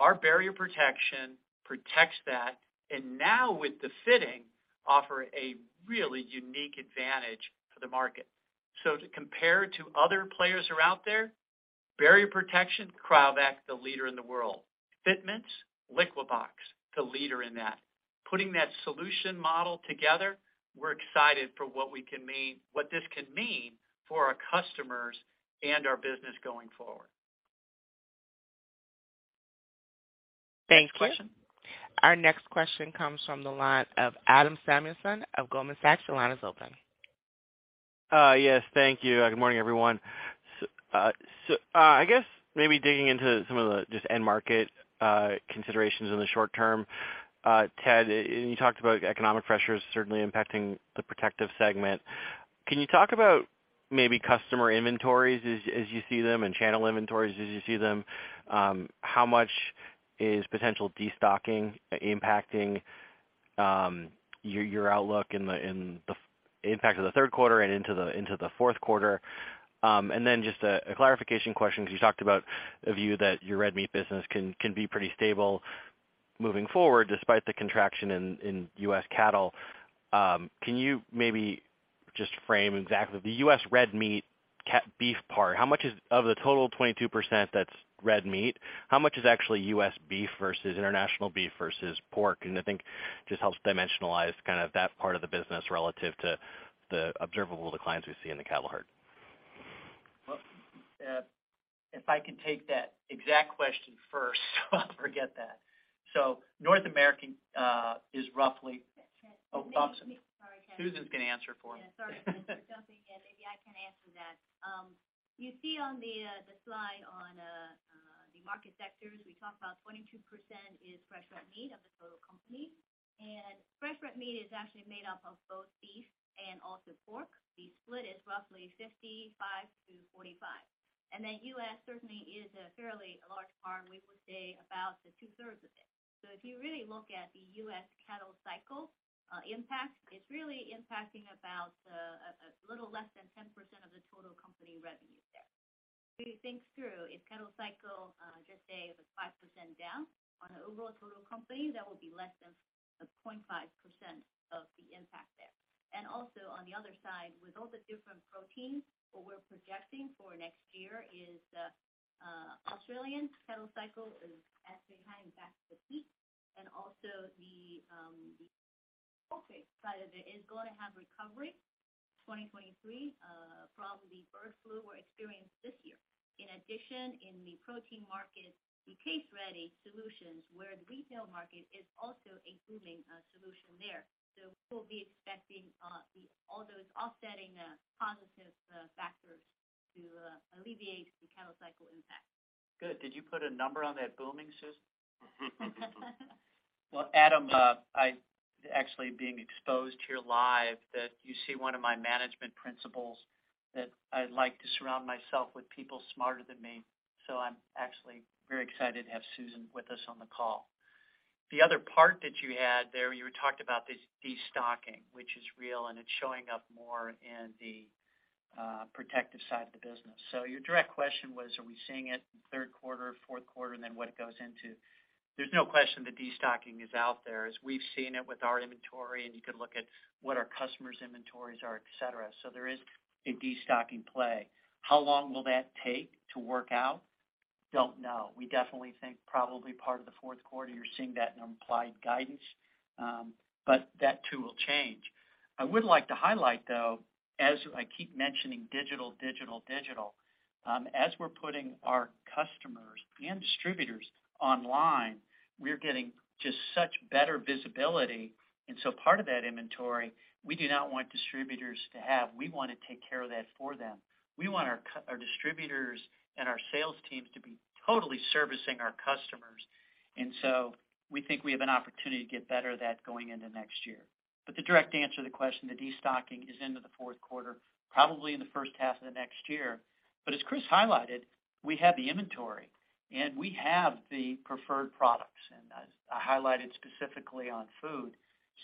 [SPEAKER 3] Our barrier protection protects that, and now with the fitting, offer a really unique advantage to the market. To compare to other players who are out there, barrier protection, CRYOVAC, the leader in the world. Fitments, Liquibox, the leader in that. Putting that solution model together, we're excited for what this can mean for our customers and our business going forward.
[SPEAKER 1] Thank you.
[SPEAKER 3] Next question.
[SPEAKER 1] Our next question comes from the line of Adam Samuelson of Goldman Sachs. The line is open.
[SPEAKER 8] Yes, thank you. Good morning, everyone. I guess maybe digging into some of the just end market considerations in the short term. Ted, you talked about economic pressures certainly impacting the Protective segment. Can you talk about maybe customer inventories as you see them and channel inventories as you see them? How much is potential destocking impacting your outlook in the impact of the third quarter and into the fourth quarter? Just a clarification question, because you talked about a view that your red meat business can be pretty stable moving forward despite the contraction in U.S. cattle. Can you maybe
[SPEAKER 4] Just to frame exactly the US red meat beef part, how much is of the total 22% that's red meat, how much is actually US beef versus international beef versus pork? I think just helps dimensionalize kind of that part of the business relative to the observable declines we see in the cattle herd.
[SPEAKER 3] Well, if I can take that exact question first, so I'll forget that. North American is roughly-
[SPEAKER 9] Ted.
[SPEAKER 3] Oh, Susan.
[SPEAKER 9] Sorry, Ted.
[SPEAKER 3] Susan's gonna answer for me.
[SPEAKER 9] Yeah, sorry for jumping in. Maybe I can answer that. You see on the slide on the market sectors, we talk about 22% is fresh red meat of the total company. Fresh red meat is actually made up of both beef and also pork. The split is roughly 55-45. U.S. certainly is a fairly large part, we would say about two-thirds of it. If you really look at the U.S. cattle cycle impact, it's really impacting about a little less than 10% of the total company revenue there. If you think through, if cattle cycle just say it was 5% down on an overall total company, that will be less than 0.5% of the impact there.
[SPEAKER 6] Also on the other side, with all the different proteins, what we're projecting for next year is the Australian cattle cycle is actually coming back this week. The pork side of it is gonna have recovery 2023 from the bird flu we're experienced this year. In addition, in the protein market, the case-ready solutions where the retail market is also a booming solution there. We'll be expecting all those offsetting positive factors to alleviate the cattle cycle impact.
[SPEAKER 3] Good. Did you put a number on that booming, Susan? Well, Adam, I'm actually being exposed here live that you see one of my management principles that I like to surround myself with people smarter than me. I'm actually very excited to have Susan with us on the call. The other part that you had there, you talked about this destocking, which is real, and it's showing up more in the protective side of the business. Your direct question was, are we seeing it in third quarter, fourth quarter, and then what it goes into? There's no question the destocking is out there, as we've seen it with our inventory, and you could look at what our customers' inventories are, et cetera. There is a destocking play. How long will that take to work out? Don't know. We definitely think probably part of the fourth quarter, you're seeing that in our implied guidance, but that too will change. I would like to highlight, though, as I keep mentioning digital, as we're putting our customers and distributors online, we're getting just such better visibility. Part of that inventory, we do not want distributors to have. We wanna take care of that for them. We want our distributors and our sales teams to be totally servicing our customers. We think we have an opportunity to get better at that going into next year. The direct answer to the question, the destocking is into the fourth quarter, probably in the first half of the next year. As Chris highlighted, we have the inventory, and we have the preferred products, and as I highlighted specifically on food.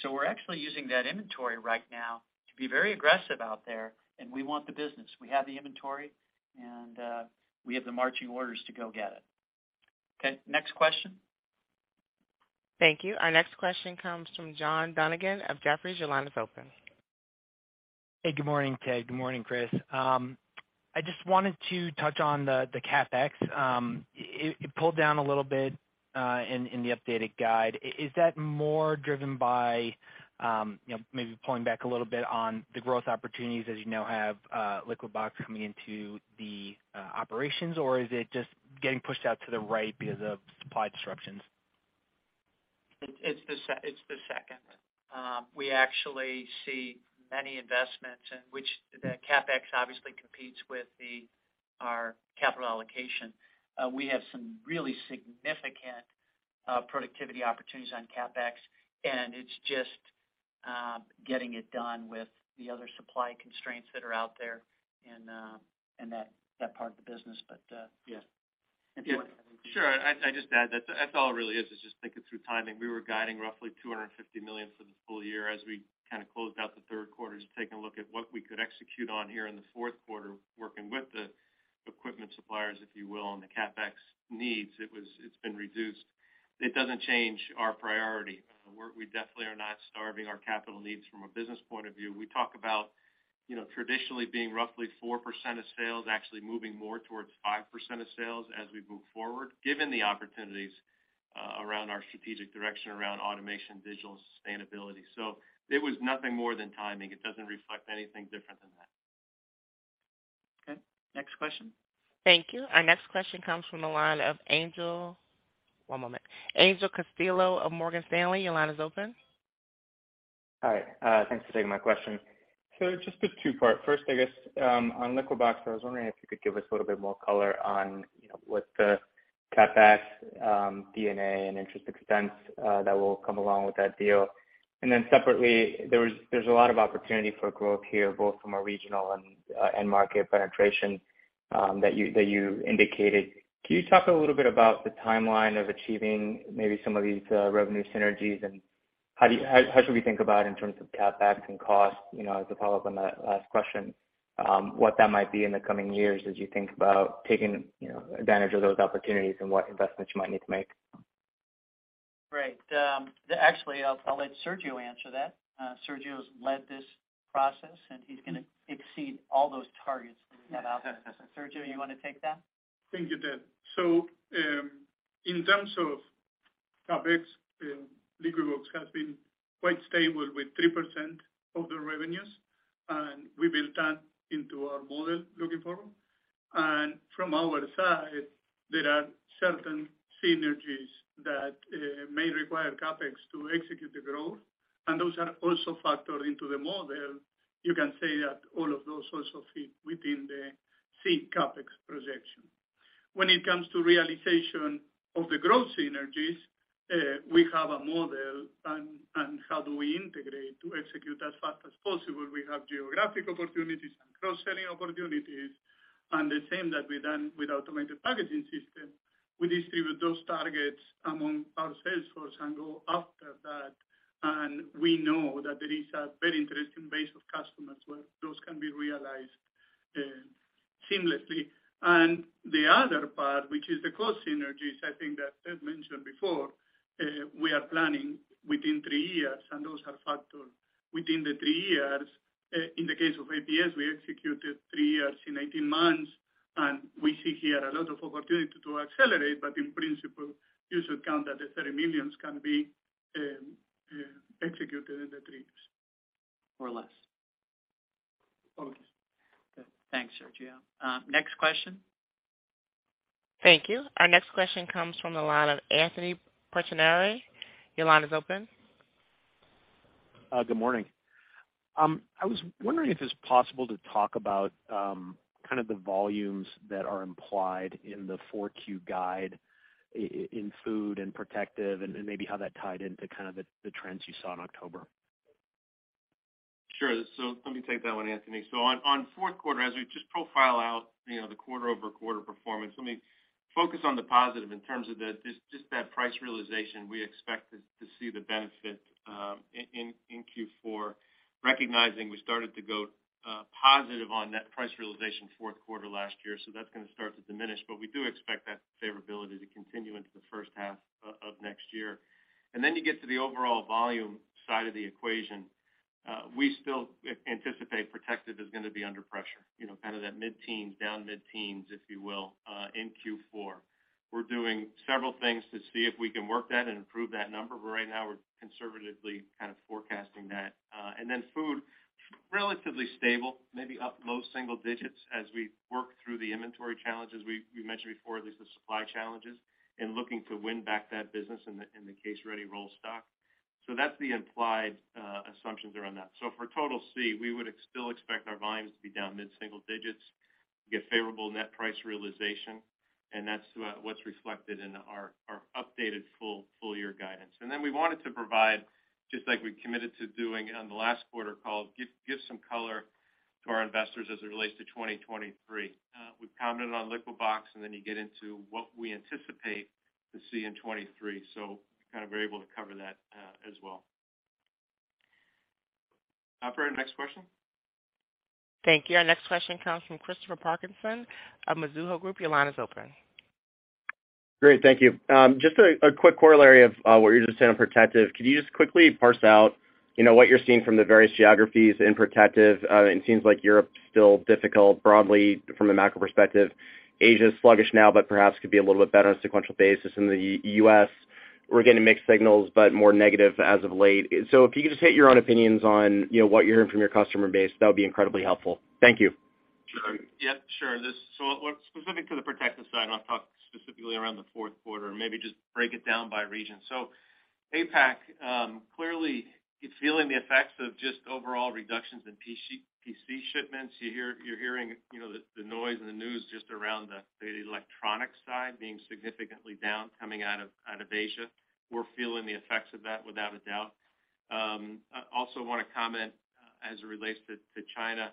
[SPEAKER 3] We're actually using that inventory right now to be very aggressive out there, and we want the business. We have the inventory, and we have the marching orders to go get it. Okay, next question.
[SPEAKER 1] Thank you. Our next question comes from John McNulty of Jefferies. Your line is open.
[SPEAKER 10] Hey, good morning, Ted. Good morning, Chris. I just wanted to touch on the CapEx. It pulled down a little bit in the updated guide. Is that more driven by you know, maybe pulling back a little bit on the growth opportunities as you now have Liquibox coming into the operations, or is it just getting pushed out to the right because of supply disruptions?
[SPEAKER 3] It's the second. We actually see many investments in which the CapEx obviously competes with our capital allocation. We have some really significant productivity opportunities on CapEx, and it's just getting it done with the other supply constraints that are out there in that part of the business. Yeah.
[SPEAKER 4] Sure. I just add that that's all it really is just think it through timing. We were guiding roughly $250 million for the full year as we kinda closed out the third quarter, just taking a look at what we could execute on here in the fourth quarter, working with the equipment suppliers, if you will, on the CapEx needs. It's been reduced. It doesn't change our priority. We definitely are not starving our capital needs from a business point of view. We talk about, you know, traditionally being roughly 4% of sales, actually moving more towards 5% of sales as we move forward, given the opportunities around our strategic direction around automation, digital, sustainability. It was nothing more than timing. It doesn't reflect anything different than that.
[SPEAKER 3] Okay, next question.
[SPEAKER 1] Thank you. Our next question comes from the line of Vincent Andrews of Morgan Stanley. Your line is open.
[SPEAKER 11] Hi. Thanks for taking my question. Just a two-part. First, I guess, on Liquibox, I was wondering if you could give us a little bit more color on, you know, what the CapEx, D&A and interest expense, that will come along with that deal. Then separately, there's a lot of opportunity for growth here, both from a regional and, end market penetration, that you indicated. Can you talk a little bit about the timeline of achieving maybe some of these, revenue synergies? And how do you, how should we think about in terms of CapEx and cost, you know, as a follow-up on that last question, what that might be in the coming years as you think about taking, you know, advantage of those opportunities and what investments you might need to make?
[SPEAKER 3] Great. Actually, I'll let Sergio answer that. Sergio's led this process, and he's gonna exceed all those targets that we set out. Sergio, you wanna take that?
[SPEAKER 12] Thank you, Ted. In terms of CapEx, Liquibox has been quite stable with 3% of the revenues, and we built that into our model looking forward. From our side, there are certain synergies that may require CapEx to execute the growth, and those are also factored into the model. You can say that all of those also fit within the CapEx projection. When it comes to realization of the growth synergies, we have a model on how do we integrate to execute as fast as possible. We have geographic opportunities and cross-selling opportunities. The same that we've done with automated packaging system, we distribute those targets among our sales force and go after that. We know that there is a very interesting base of customers where those can be realized seamlessly. The other part, which is the cost synergies, I think that Ted mentioned before, we are planning within three years, and those are factored within the three years. In the case of APS, we executed three years in 18 months, and we see here a lot of opportunity to accelerate. In principle, you should count that the $30 million can be executed in the three years.
[SPEAKER 3] Less.
[SPEAKER 12] Focus.
[SPEAKER 3] Thanks, Sergio. Next question.
[SPEAKER 1] Thank you. Our next question comes from the line of Anthony Pettinari. Your line is open.
[SPEAKER 13] Good morning. I was wondering if it's possible to talk about kind of the volumes that are implied in the 4Q guide in food and protective, and maybe how that tied into kind of the trends you saw in October.
[SPEAKER 4] Sure. Let me take that one, Anthony. On fourth quarter, as we just profile out, you know, the quarter-over-quarter performance, let me focus on the positive in terms of just that price realization we expect to see the benefit in Q4, recognizing we started to go positive on net price realization fourth quarter last year. That's gonna start to diminish, but we do expect that favorability to continue into the first half of next year. Then you get to the overall volume side of the equation. We still anticipate Protective is gonna be under pressure, you know, kind of that mid-teens down, if you will, in Q4. We're doing several things to see if we can work that and improve that number, but right now we're conservatively kind of forecasting that. Food, relatively stable, maybe up low single digits as we work through the inventory challenges we mentioned before, at least the supply challenges, and looking to win back that business in the case-ready roll stock. That's the implied assumptions around that. For total SEE, we would still expect our volumes to be down mid-single digits, get favorable net price realization, and that's what's reflected in our updated full year guidance. We wanted to provide, just like we committed to doing on the last quarter call, give some color to our investors as it relates to 2023. We've commented on Liquibox, and then you get into what we anticipate to see in 2023. We were able to cover that as well. Operator, next question.
[SPEAKER 1] Thank you. Our next question comes from Christopher Parkinson of Mizuho Group. Your line is open.
[SPEAKER 14] Great. Thank you. Just a quick corollary of what you're just saying on Protective. Could you just quickly parse out, you know, what you're seeing from the various geographies in Protective? It seems like Europe is still difficult broadly from a macro perspective. Asia is sluggish now, but perhaps could be a little bit better on a sequential basis. In the U.S., we're getting mixed signals, but more negative as of late. If you could just state your own opinions on, you know, what you're hearing from your customer base, that would be incredibly helpful. Thank you.
[SPEAKER 4] Specific to the protective side, and I'll talk specifically around the fourth quarter, and maybe just break it down by region. APAC clearly is feeling the effects of just overall reductions in PC shipments. You're hearing, you know, the noise and the news just around the electronics side being significantly down coming out of Asia. We're feeling the effects of that without a doubt. I also wanna comment as it relates to China,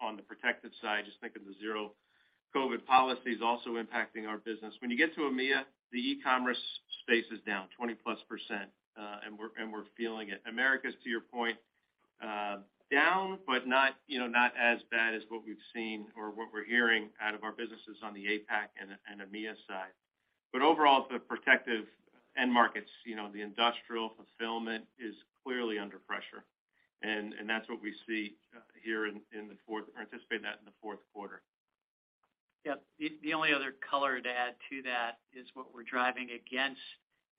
[SPEAKER 4] on the protective side, just think of the zero COVID policies also impacting our business. When you get to EMEA, the e-commerce space is down 20%+, and we're feeling it. Americas, to your point, down, but not, you know, not as bad as what we've seen or what we're hearing out of our businesses on the APAC and EMEA side. Overall, the protective end markets, you know, the industrial fulfillment is clearly under pressure. That's what we see, anticipate that in the fourth quarter.
[SPEAKER 3] Yeah. The only other color to add to that is what we're driving against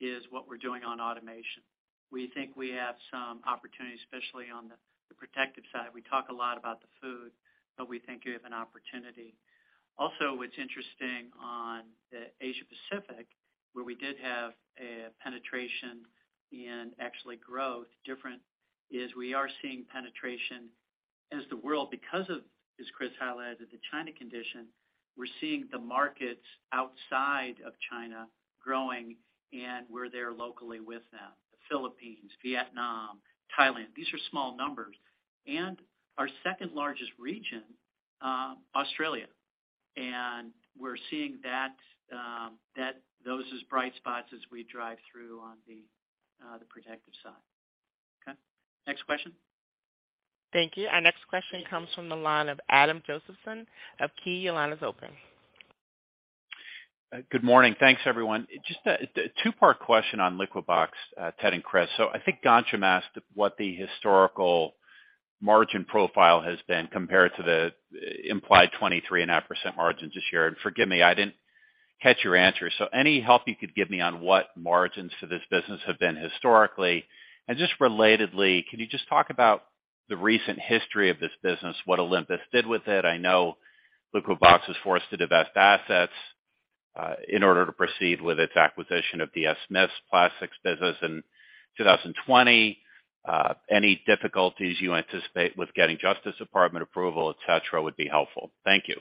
[SPEAKER 3] is what we're doing on automation. We think we have some opportunities, especially on the protective side. We talk a lot about the food, but we think we have an opportunity. Also, what's interesting on the Asia Pacific, where we did have a penetration and actually growth different, is we are seeing penetration in the world because of, as Chris highlighted, the China condition, we're seeing the markets outside of China growing, and we're there locally with them. The Philippines, Vietnam, Thailand, these are small numbers. Our second largest region, Australia. We're seeing those as bright spots as we drive through on the protective side. Okay, next question.
[SPEAKER 1] Thank you. Our next question comes from the line of Adam Josephson of KeyBanc. Your line is open.
[SPEAKER 15] Good morning. Thanks everyone. Just a two-part question on Liquibox, Ted and Chris. I think Ghansham asked what the historical margin profile has been compared to the implied 23.5% margins this year. Forgive me, I didn't catch your answer. Any help you could give me on what margins for this business have been historically? Just relatedly, can you just talk about the recent history of this business, what Olympus did with it? I know Liquibox was forced to divest assets in order to proceed with its acquisition of DS Smith's Plastics business in 2020. Any difficulties you anticipate with getting Justice Department approval, et cetera, would be helpful. Thank you.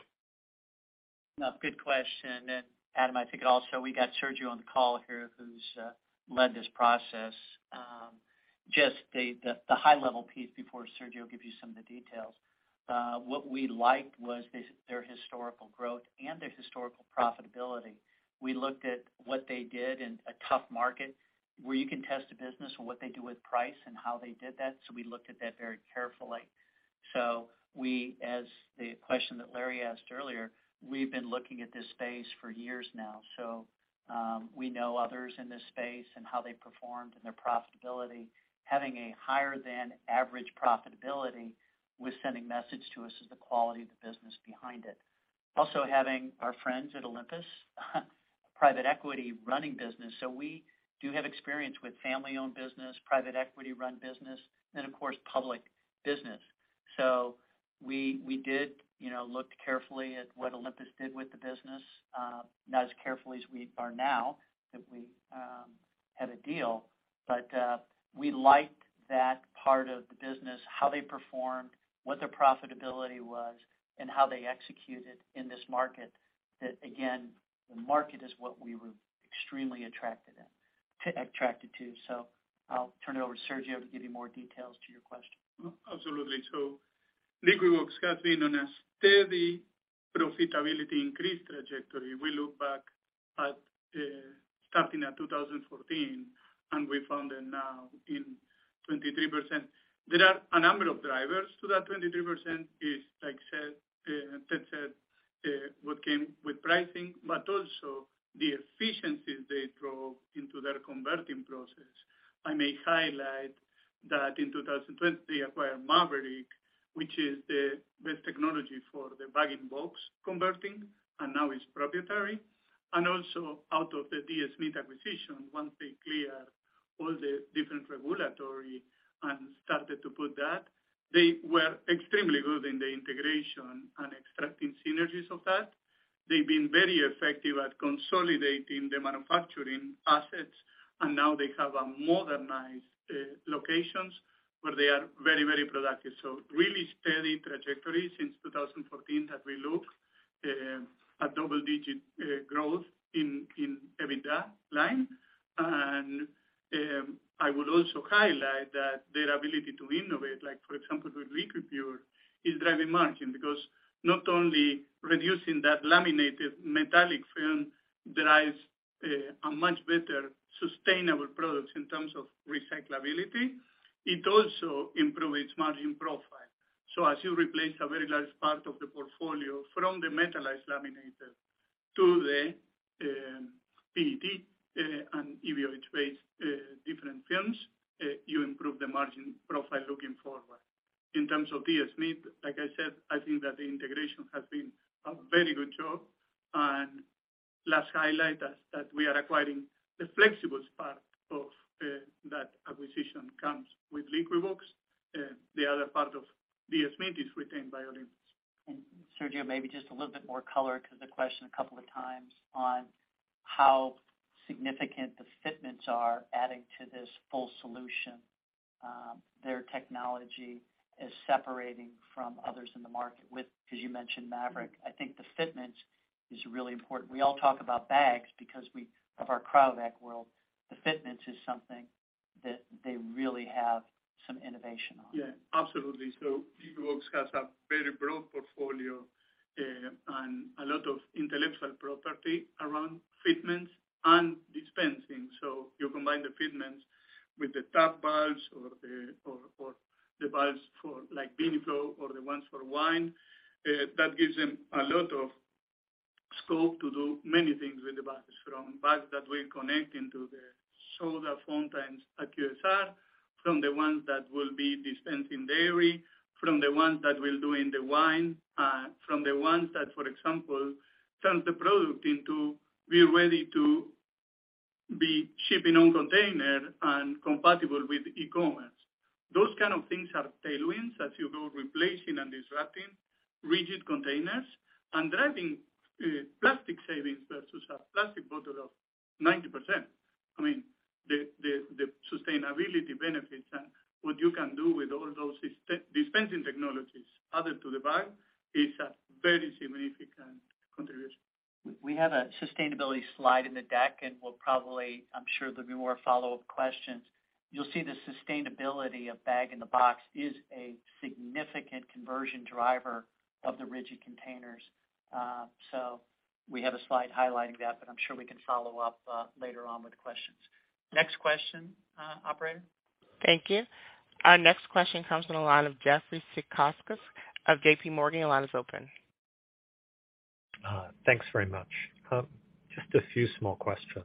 [SPEAKER 3] No, good question. Adam, I think also we got Sergio on the call here, who's led this process. Just the high level piece before Sergio gives you some of the details. What we liked was their historical growth and their historical profitability. We looked at what they did in a tough market where you can test a business on what they do with price and how they did that. We looked at that very carefully. We, as the question that Larry asked earlier, we've been looking at this space for years now, we know others in this space and how they performed and their profitability. Having a higher than average profitability was sending a message to us as to the quality of the business behind it. Also, having our friends at Olympus Partners, a private equity running business. We do have experience with family-owned business, private equity-run business, and of course, public business. We did, you know, look carefully at what Olympus did with the business, not as carefully as we are now that we have a deal. We liked that part of the business, how they performed, what their profitability was, and how they executed in this market. That again, the market is what we were extremely attracted to. I'll turn it over to Sergio to give you more details to your question.
[SPEAKER 12] Absolutely. Liquibox has been on a steady profitability increase trajectory. We look back at starting at 2014, and we found it now in 23%. There are a number of drivers to that. 23% is, like said, Ted said, what came with pricing, but also the efficiencies they drove into their converting process. I may highlight that in 2020, they acquired Maverick, which is the best technology for the bag-in-box converting, and now it's proprietary. Out of the DS Smith acquisition, once they clear all the different regulatory and started to put that, they were extremely good in the integration and extracting synergies of that. They've been very effective at consolidating the manufacturing assets, and now they have a modernized locations where they are very, very productive. Really steady trajectory since 2014 as we look at double-digit growth in the EBITDA line. I would also highlight that their ability to innovate, like for example, with Liquipure, is driving margin because not only reducing that laminated metallized film delivers a much more sustainable product in terms of recyclability, it also improves margin profile. As you replace a very large part of the portfolio from the metallized laminate to the PET and EVOH-based different films, you improve the margin profile looking forward. In terms of DS Smith, like I said, I think that the integration has been a very good job. Last highlight is that we are acquiring the flexibles part of that acquisition comes with Liquibox. The other part of DS Smith is retained by Olympus Partners.
[SPEAKER 3] Sergio, maybe just a little bit more color 'cause the question a couple of times on how significant the fitments are adding to this full solution. Their technology is separating from others in the market with, 'cause you mentioned Maverick. I think the fitments is really important. We all talk about bags because we, of our Cryovac world, the fitments is something that they really have some innovation on.
[SPEAKER 12] Yeah, absolutely. Liquibox has a very broad portfolio, and a lot of intellectual property around fitments and dispensing. You combine the fitments with the tap valves or the valves for like VINIflow or the ones for wine, that gives them a lot of scope to do many things with the bags. From bags that we're connecting to the soda fountains at QSR, from the ones that will be dispensing dairy, from the ones that we're doing the wine, from the ones that, for example, turn the product into being ready to be shipped in containers and compatible with e-commerce. Those kind of things are tailwinds as you go replacing and disrupting rigid containers and driving plastic savings versus a plastic bottle of 90%. I mean, the sustainability benefits and what you can do with all those dispensing technologies added to the bag is a very significant contribution.
[SPEAKER 3] We have a sustainability slide in the deck, and we'll probably, I'm sure there'll be more follow-up questions. You'll see the sustainability of bag in the box is a significant conversion driver of the rigid containers. We have a slide highlighting that, but I'm sure we can follow up later on with questions. Next question, operator.
[SPEAKER 1] Thank you. Our next question comes from the line of Jeffrey Zekauskas of JPMorgan. Your line is open.
[SPEAKER 16] Thanks very much. Just a few small questions.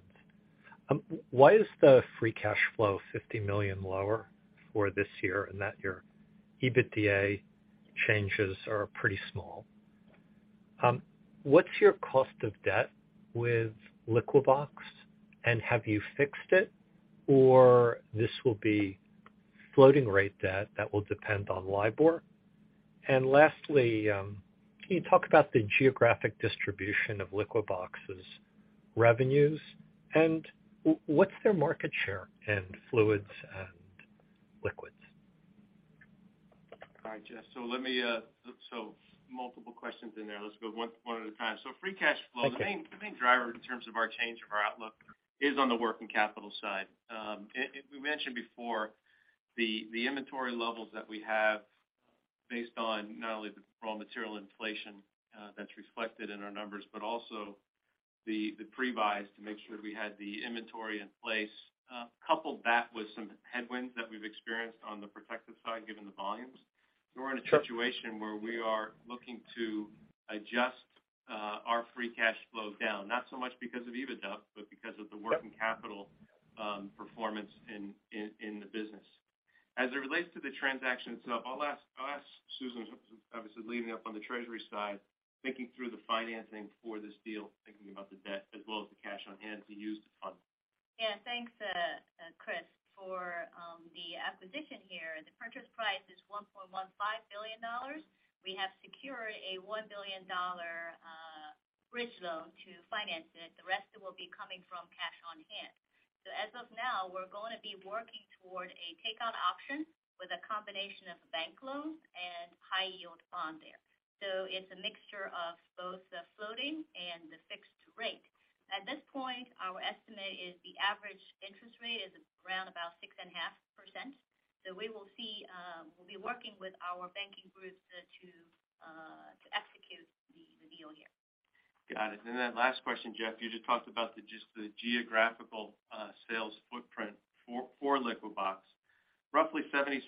[SPEAKER 16] Why is the free cash flow $50 million lower for this year and that your EBITDA changes are pretty small? What's your cost of debt with Liquibox, and have you fixed it, or this will be floating rate debt that will depend on LIBOR? Lastly, can you talk about the geographic distribution of Liquibox's revenues and what's their market share in fluids and liquids?
[SPEAKER 4] All right, Jeff. Let me, so multiple questions in there. Let's go one at a time. Free cash flow.
[SPEAKER 16] Okay.
[SPEAKER 4] The main driver in terms of our change of our outlook is on the working capital side. We mentioned before the inventory levels that we have based on not only the raw material inflation, that's reflected in our numbers, but also the pre-buys to make sure we had the inventory in place. Couple that with some headwinds that we've experienced on the protective side, given the volumes. We're in a situation where we are looking to adjust our free cash flow down, not so much because of EBITDA, but because of the working capital performance in the business. As it relates to the transaction itself, I'll ask Susan, who's obviously leading up on the treasury side, thinking through the financing for this deal, thinking about the debt as well as the cash on hand to use the funds.
[SPEAKER 9] Yeah. Thanks, Chris. For the acquisition here, the purchase price is $1.15 billion. We have secured a $1 billion bridge loan to finance it. The rest will be coming from cash on hand. As of now, we're gonna be working toward a takeout option with a combination of bank loans and high-yield bond there. It's a mixture of both the floating and the fixed rate. At this point, our estimate is the average interest rate is around about 6.5%. We will see, we'll be working with our banking groups to execute the deal here.
[SPEAKER 4] Got it. Last question, Jeff. You just talked about the geographical sales footprint for Liquibox. Roughly 76%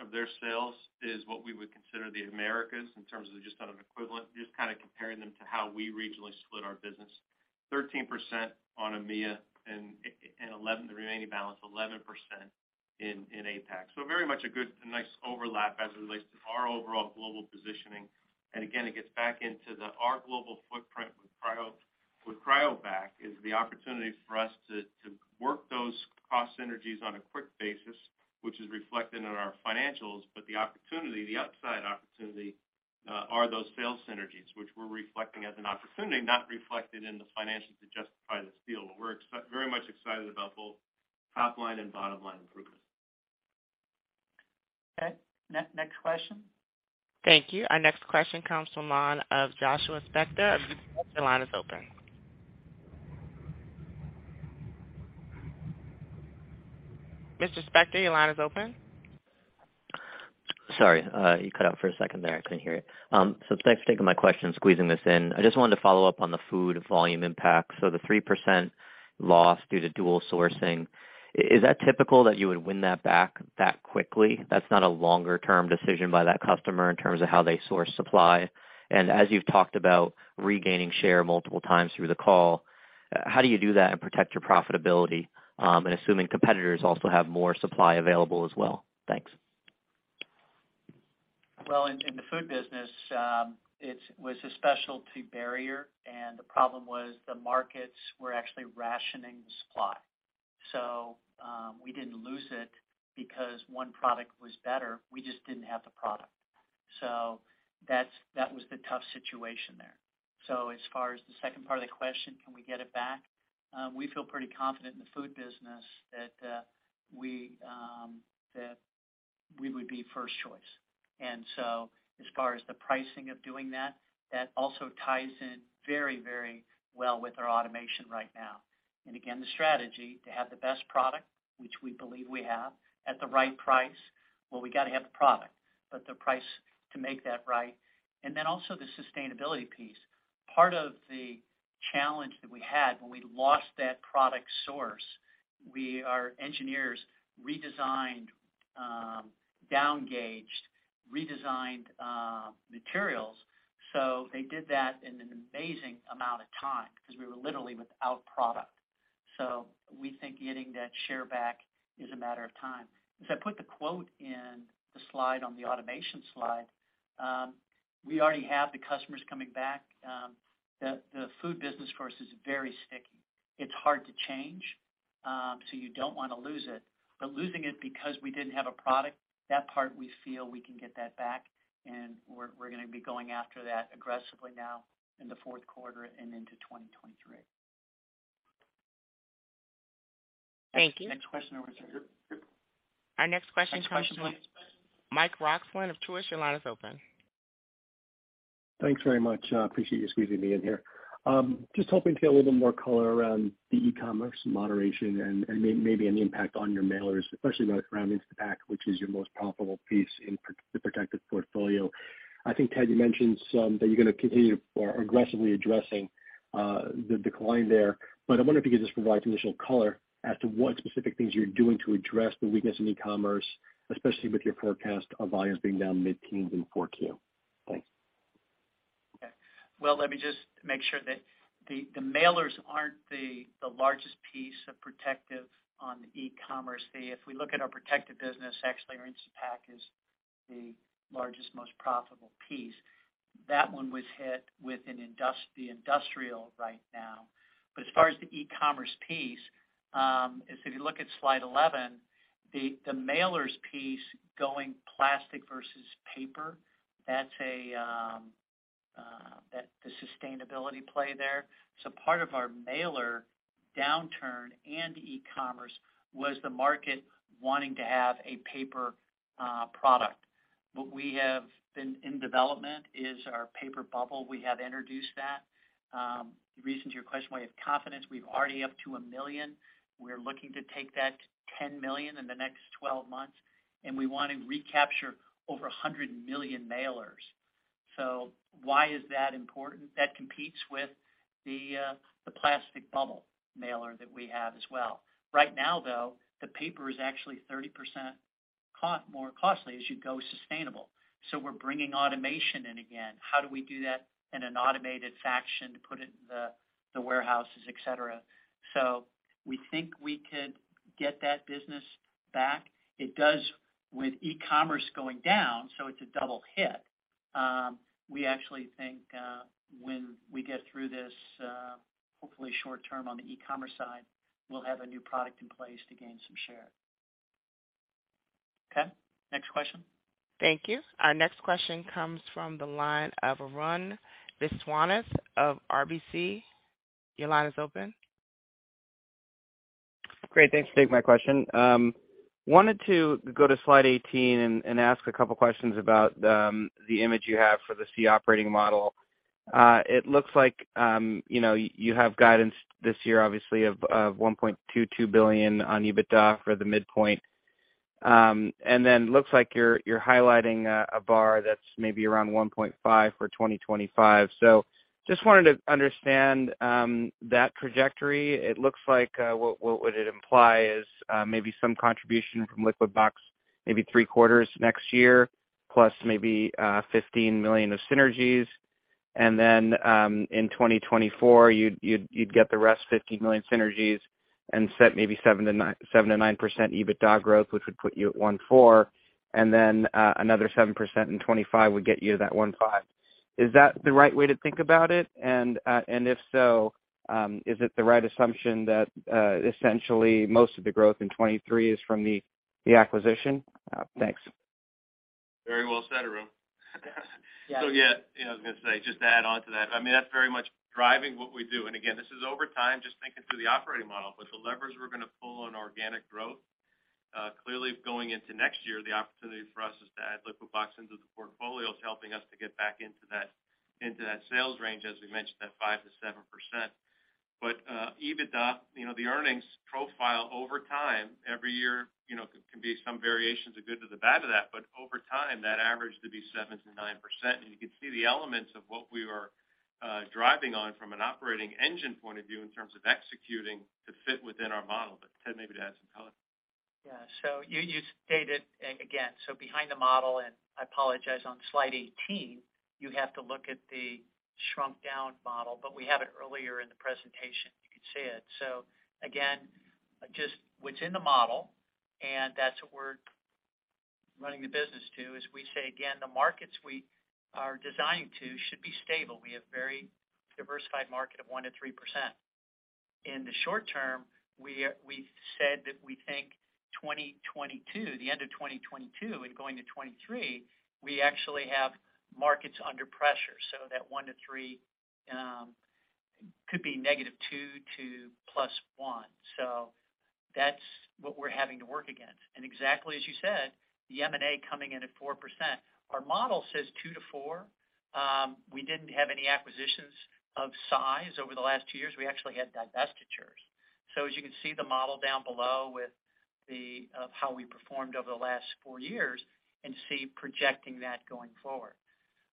[SPEAKER 4] of their sales is what we would consider the Americas in terms of just on an equivalent, just kinda comparing them to how we regionally split our business. 13% on EMEA and the remaining balance, 11% in APAC. Very much a good, a nice overlap as it relates to our overall global positioning. Again, it gets back into our global footprint with CRYOVAC is the opportunity for us to work those cost synergies on a quick basis, which is reflected in our financials. The opportunity, the upside opportunity are those sales synergies, which we're reflecting as an opportunity not reflected in the financials to justify this deal. We're very much excited about both top line and bottom line improvements.
[SPEAKER 3] Okay. Next question.
[SPEAKER 1] Thank you. Our next question comes from the line of Joshua Spector of UBS. Your line is open. Mr. Spector, your line is open.
[SPEAKER 17] Sorry, you cut out for a second there. I couldn't hear you. Thanks for taking my question, squeezing this in. I just wanted to follow up on the food volume impact. The 3% loss due to dual sourcing, is that typical that you would win that back that quickly? That's not a longer-term decision by that customer in terms of how they source supply. As you've talked about regaining share multiple times through the call, how do you do that and protect your profitability, and assuming competitors also have more supply available as well? Thanks.
[SPEAKER 3] Well, in the food business, it was a specialty barrier, and the problem was the markets were actually rationing the supply. We didn't lose it because one product was better. We just didn't have the product. That was the tough situation there. As far as the second part of the question, can we get it back? We feel pretty confident in the food business that we would be first choice. As far as the pricing of doing that also ties in very, very well with our automation right now. Again, the strategy to have the best product, which we believe we have, at the right price, well, we gotta have the product. The price to make that right, and then also the sustainability piece. Part of the challenge that we had when we lost that product source, our engineers redesigned, down-gauged, materials. They did that in an amazing amount of time because we were literally without product. We think getting that share back is a matter of time. As I put the quote in the slide on the automation slide, we already have the customers coming back. The food business for us is very sticky. It's hard to change, so you don't wanna lose it. Losing it because we didn't have a product, that part we feel we can get that back, and we're gonna be going after that aggressively now in the fourth quarter and into 2023.
[SPEAKER 1] Thank you.
[SPEAKER 3] Next question over here.
[SPEAKER 1] Our next question comes from Mike Roxland of Truist. Your line is open.
[SPEAKER 18] Thanks very much. Appreciate you squeezing me in here. Just hoping to get a little bit more color around the e-commerce moderation and maybe any impact on your mailers, especially around Instapak, which is your most profitable piece in the protective portfolio. I think, Ted, you mentioned some that you're gonna continue or aggressively addressing the decline there. I wonder if you could just provide some initial color as to what specific things you're doing to address the weakness in e-commerce, especially with your forecast of volumes being down mid-teens in 4Q. Thanks.
[SPEAKER 3] Okay. Well, let me just make sure that the mailers aren't the largest piece of protective on the e-commerce side. If we look at our protective business, actually, our Instapak is the largest, most profitable piece. That one was hit with the industrial right now. As far as the e-commerce piece, if you look at slide 11, the mailers piece going plastic versus paper, that's the sustainability play there. Part of our mailer downturn in e-commerce was the market wanting to have a paper product. What we have been in development is our paper bubble. We have introduced that. In response to your question, why we have confidence, we're already up to 1 million. We're looking to take that to 10 million in the next 12 months, and we want to recapture over 100 million mailers. Why is that important? That competes with the plastic bubble mailer that we have as well. Right now, though, the paper is actually 30% more costly as you go sustainable. We're bringing automation in again. How do we do that in an automated fashion to put it in the warehouses, et cetera? We think we could get that business back. It does with e-commerce going down, so it's a double hit. We actually think when we get through this, hopefully short-term on the e-commerce side, we'll have a new product in place to gain some share. Okay, next question.
[SPEAKER 1] Thank you. Our next question comes from the line of Arun Viswanathan of RBC. Your line is open.
[SPEAKER 19] Great. Thanks for taking my question. Wanted to go to slide 18 and ask a couple questions about the image you have for the SEE Operating Model. It looks like you know you have guidance this year obviously of $1.22 billion on EBITDA for the midpoint. Then looks like you're highlighting a bar that's maybe around $1.5 billion for 2025. Just wanted to understand that trajectory. It looks like what would it imply is maybe some contribution from Liquibox maybe three quarters next year plus maybe $15 million of synergies. In 2024, you'd get the rest $50 million synergies and see maybe 7%-9% EBITDA growth, which would put you at $140, and then another 7% in 2025 would get you to that $150. Is that the right way to think about it? If so, is it the right assumption that essentially most of the growth in 2023 is from the acquisition? Thanks.
[SPEAKER 4] Very well said, Arun.
[SPEAKER 19] Yeah.
[SPEAKER 4] Yeah, you know, I was gonna say, just to add on to that. I mean, that's very much driving what we do. Again, this is over time, just thinking through the operating model. The levers we're gonna pull on organic growth, clearly going into next year, the opportunity for us is to add Liquibox into the portfolio is helping us to get back into that sales range, as we mentioned, that 5%-7%. EBITDA, you know, the earnings profile over time, every year, you know, can be some variations of good to the bad of that. Over time, that average to be 7%-9%. You can see the elements of what we are driving on from an operating engine point of view in terms of executing to fit within our model. Ted, maybe to add some color.
[SPEAKER 3] Yeah. You stated again, behind the model, and I apologize, on slide 18, you have to look at the shrunk down model. We have it earlier in the presentation, you could see it. Again, just what's in the model, and that's what we're running the business to, is we say again, the markets we are designing to should be stable. We have very diversified market of 1%-3%. In the short term, we've said that we think 2022, the end of 2022 and going to 2023, we actually have markets under pressure. That 1%-3% could be -2% to +1%. That's what we're having to work against. Exactly as you said, the M&A coming in at 4%. Our model says 2%-4%. We didn't have any acquisitions of size over the last two years. We actually had divestitures. As you can see the model down below of how we performed over the last four years and projecting that going forward.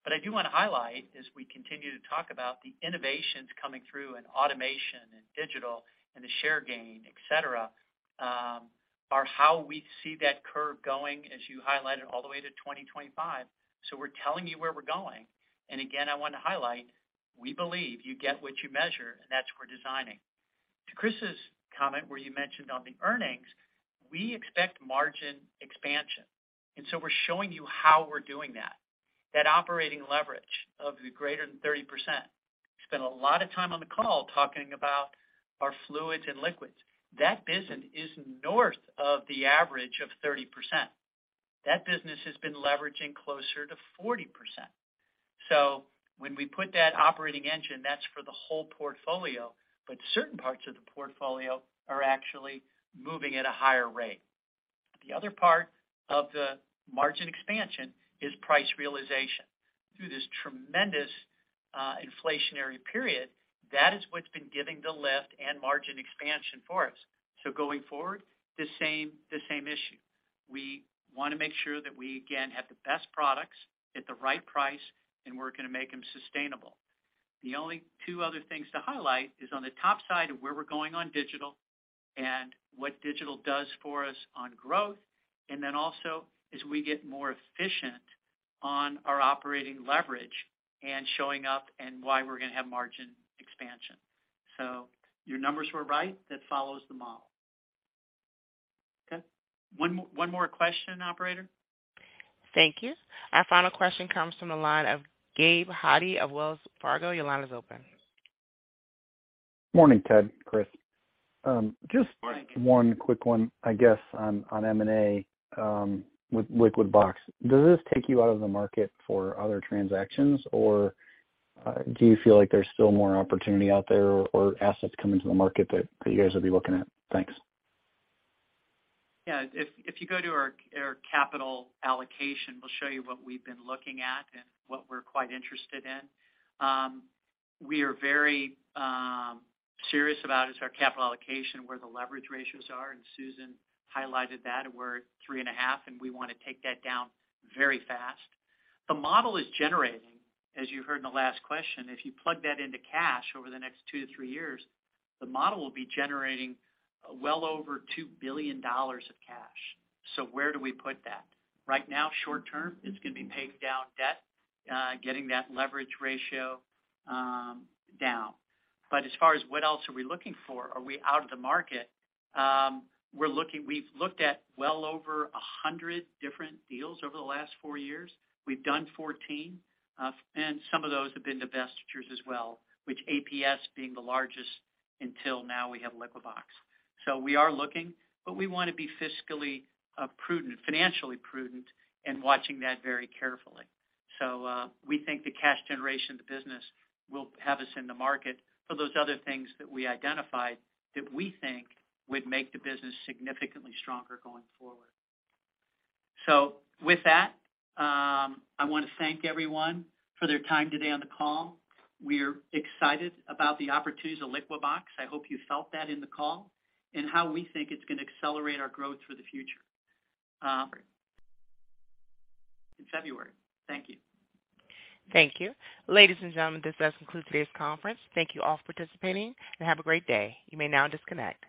[SPEAKER 3] I do wanna highlight as we continue to talk about the innovations coming through and automation and digital and the share gain, et cetera, are how we see that curve going, as you highlighted all the way to 2025. We're telling you where we're going. Again, I wanna highlight, we believe you get what you measure, and that's what we're designing. To Chris's comment, where you mentioned on the earnings, we expect margin expansion. We're showing you how we're doing that. That operating leverage of the greater than 30%. Spent a lot of time on the call talking about our fluids and liquids. That business is north of the average of 30%. That business has been leveraging closer to 40%. When we put that operating engine, that's for the whole portfolio, but certain parts of the portfolio are actually moving at a higher rate. The other part of the margin expansion is price realization. Through this tremendous inflationary period, that is what's been giving the lift and margin expansion for us. Going forward, the same, the same issue. We wanna make sure that we again have the best products at the right price, and we're gonna make them sustainable. The only two other things to highlight is on the top side of where we're going on digital and what digital does for us on growth, and then also as we get more efficient on our operating leverage and showing up and why we're gonna have margin expansion. Your numbers were right, that follows the model. Okay. One more question, operator.
[SPEAKER 1] Thank you. Our final question comes from the line of Gabe Hajde of Wells Fargo. Your line is open.
[SPEAKER 20] Morning, Ted, Chris.
[SPEAKER 3] Morning
[SPEAKER 20] One quick one, I guess, on M&A with Liquibox. Does this take you out of the market for other transactions, or do you feel like there's still more opportunity out there or assets coming to the market that you guys will be looking at? Thanks.
[SPEAKER 3] Yeah. If you go to our capital allocation, we'll show you what we've been looking at and what we're quite interested in. We are very serious about this, our capital allocation, where the leverage ratios are, and Susan highlighted that we're 3.5, and we wanna take that down very fast. The model is generating, as you heard in the last question, if you plug that into cash over the next two to three years, the model will be generating well over $2 billion of cash. Where do we put that? Right now, short term, it's gonna be paying down debt, getting that leverage ratio down. As far as what else are we looking for, are we out of the market? We're looking. We've looked at well over 100 different deals over the last four years. We've done 14, and some of those have been divestitures as well, which APS being the largest until now we have Liquibox. We are looking, but we wanna be fiscally prudent, financially prudent and watching that very carefully. We think the cash generation of the business will have us in the market for those other things that we identified that we think would make the business significantly stronger going forward. With that, I wanna thank everyone for their time today on the call. We're excited about the opportunities of Liquibox. I hope you felt that in the call, and how we think it's gonna accelerate our growth for the future, in February. Thank you.
[SPEAKER 1] Thank you. Ladies and gentlemen, this does conclude today's conference. Thank you all for participating and have a great day. You may now disconnect.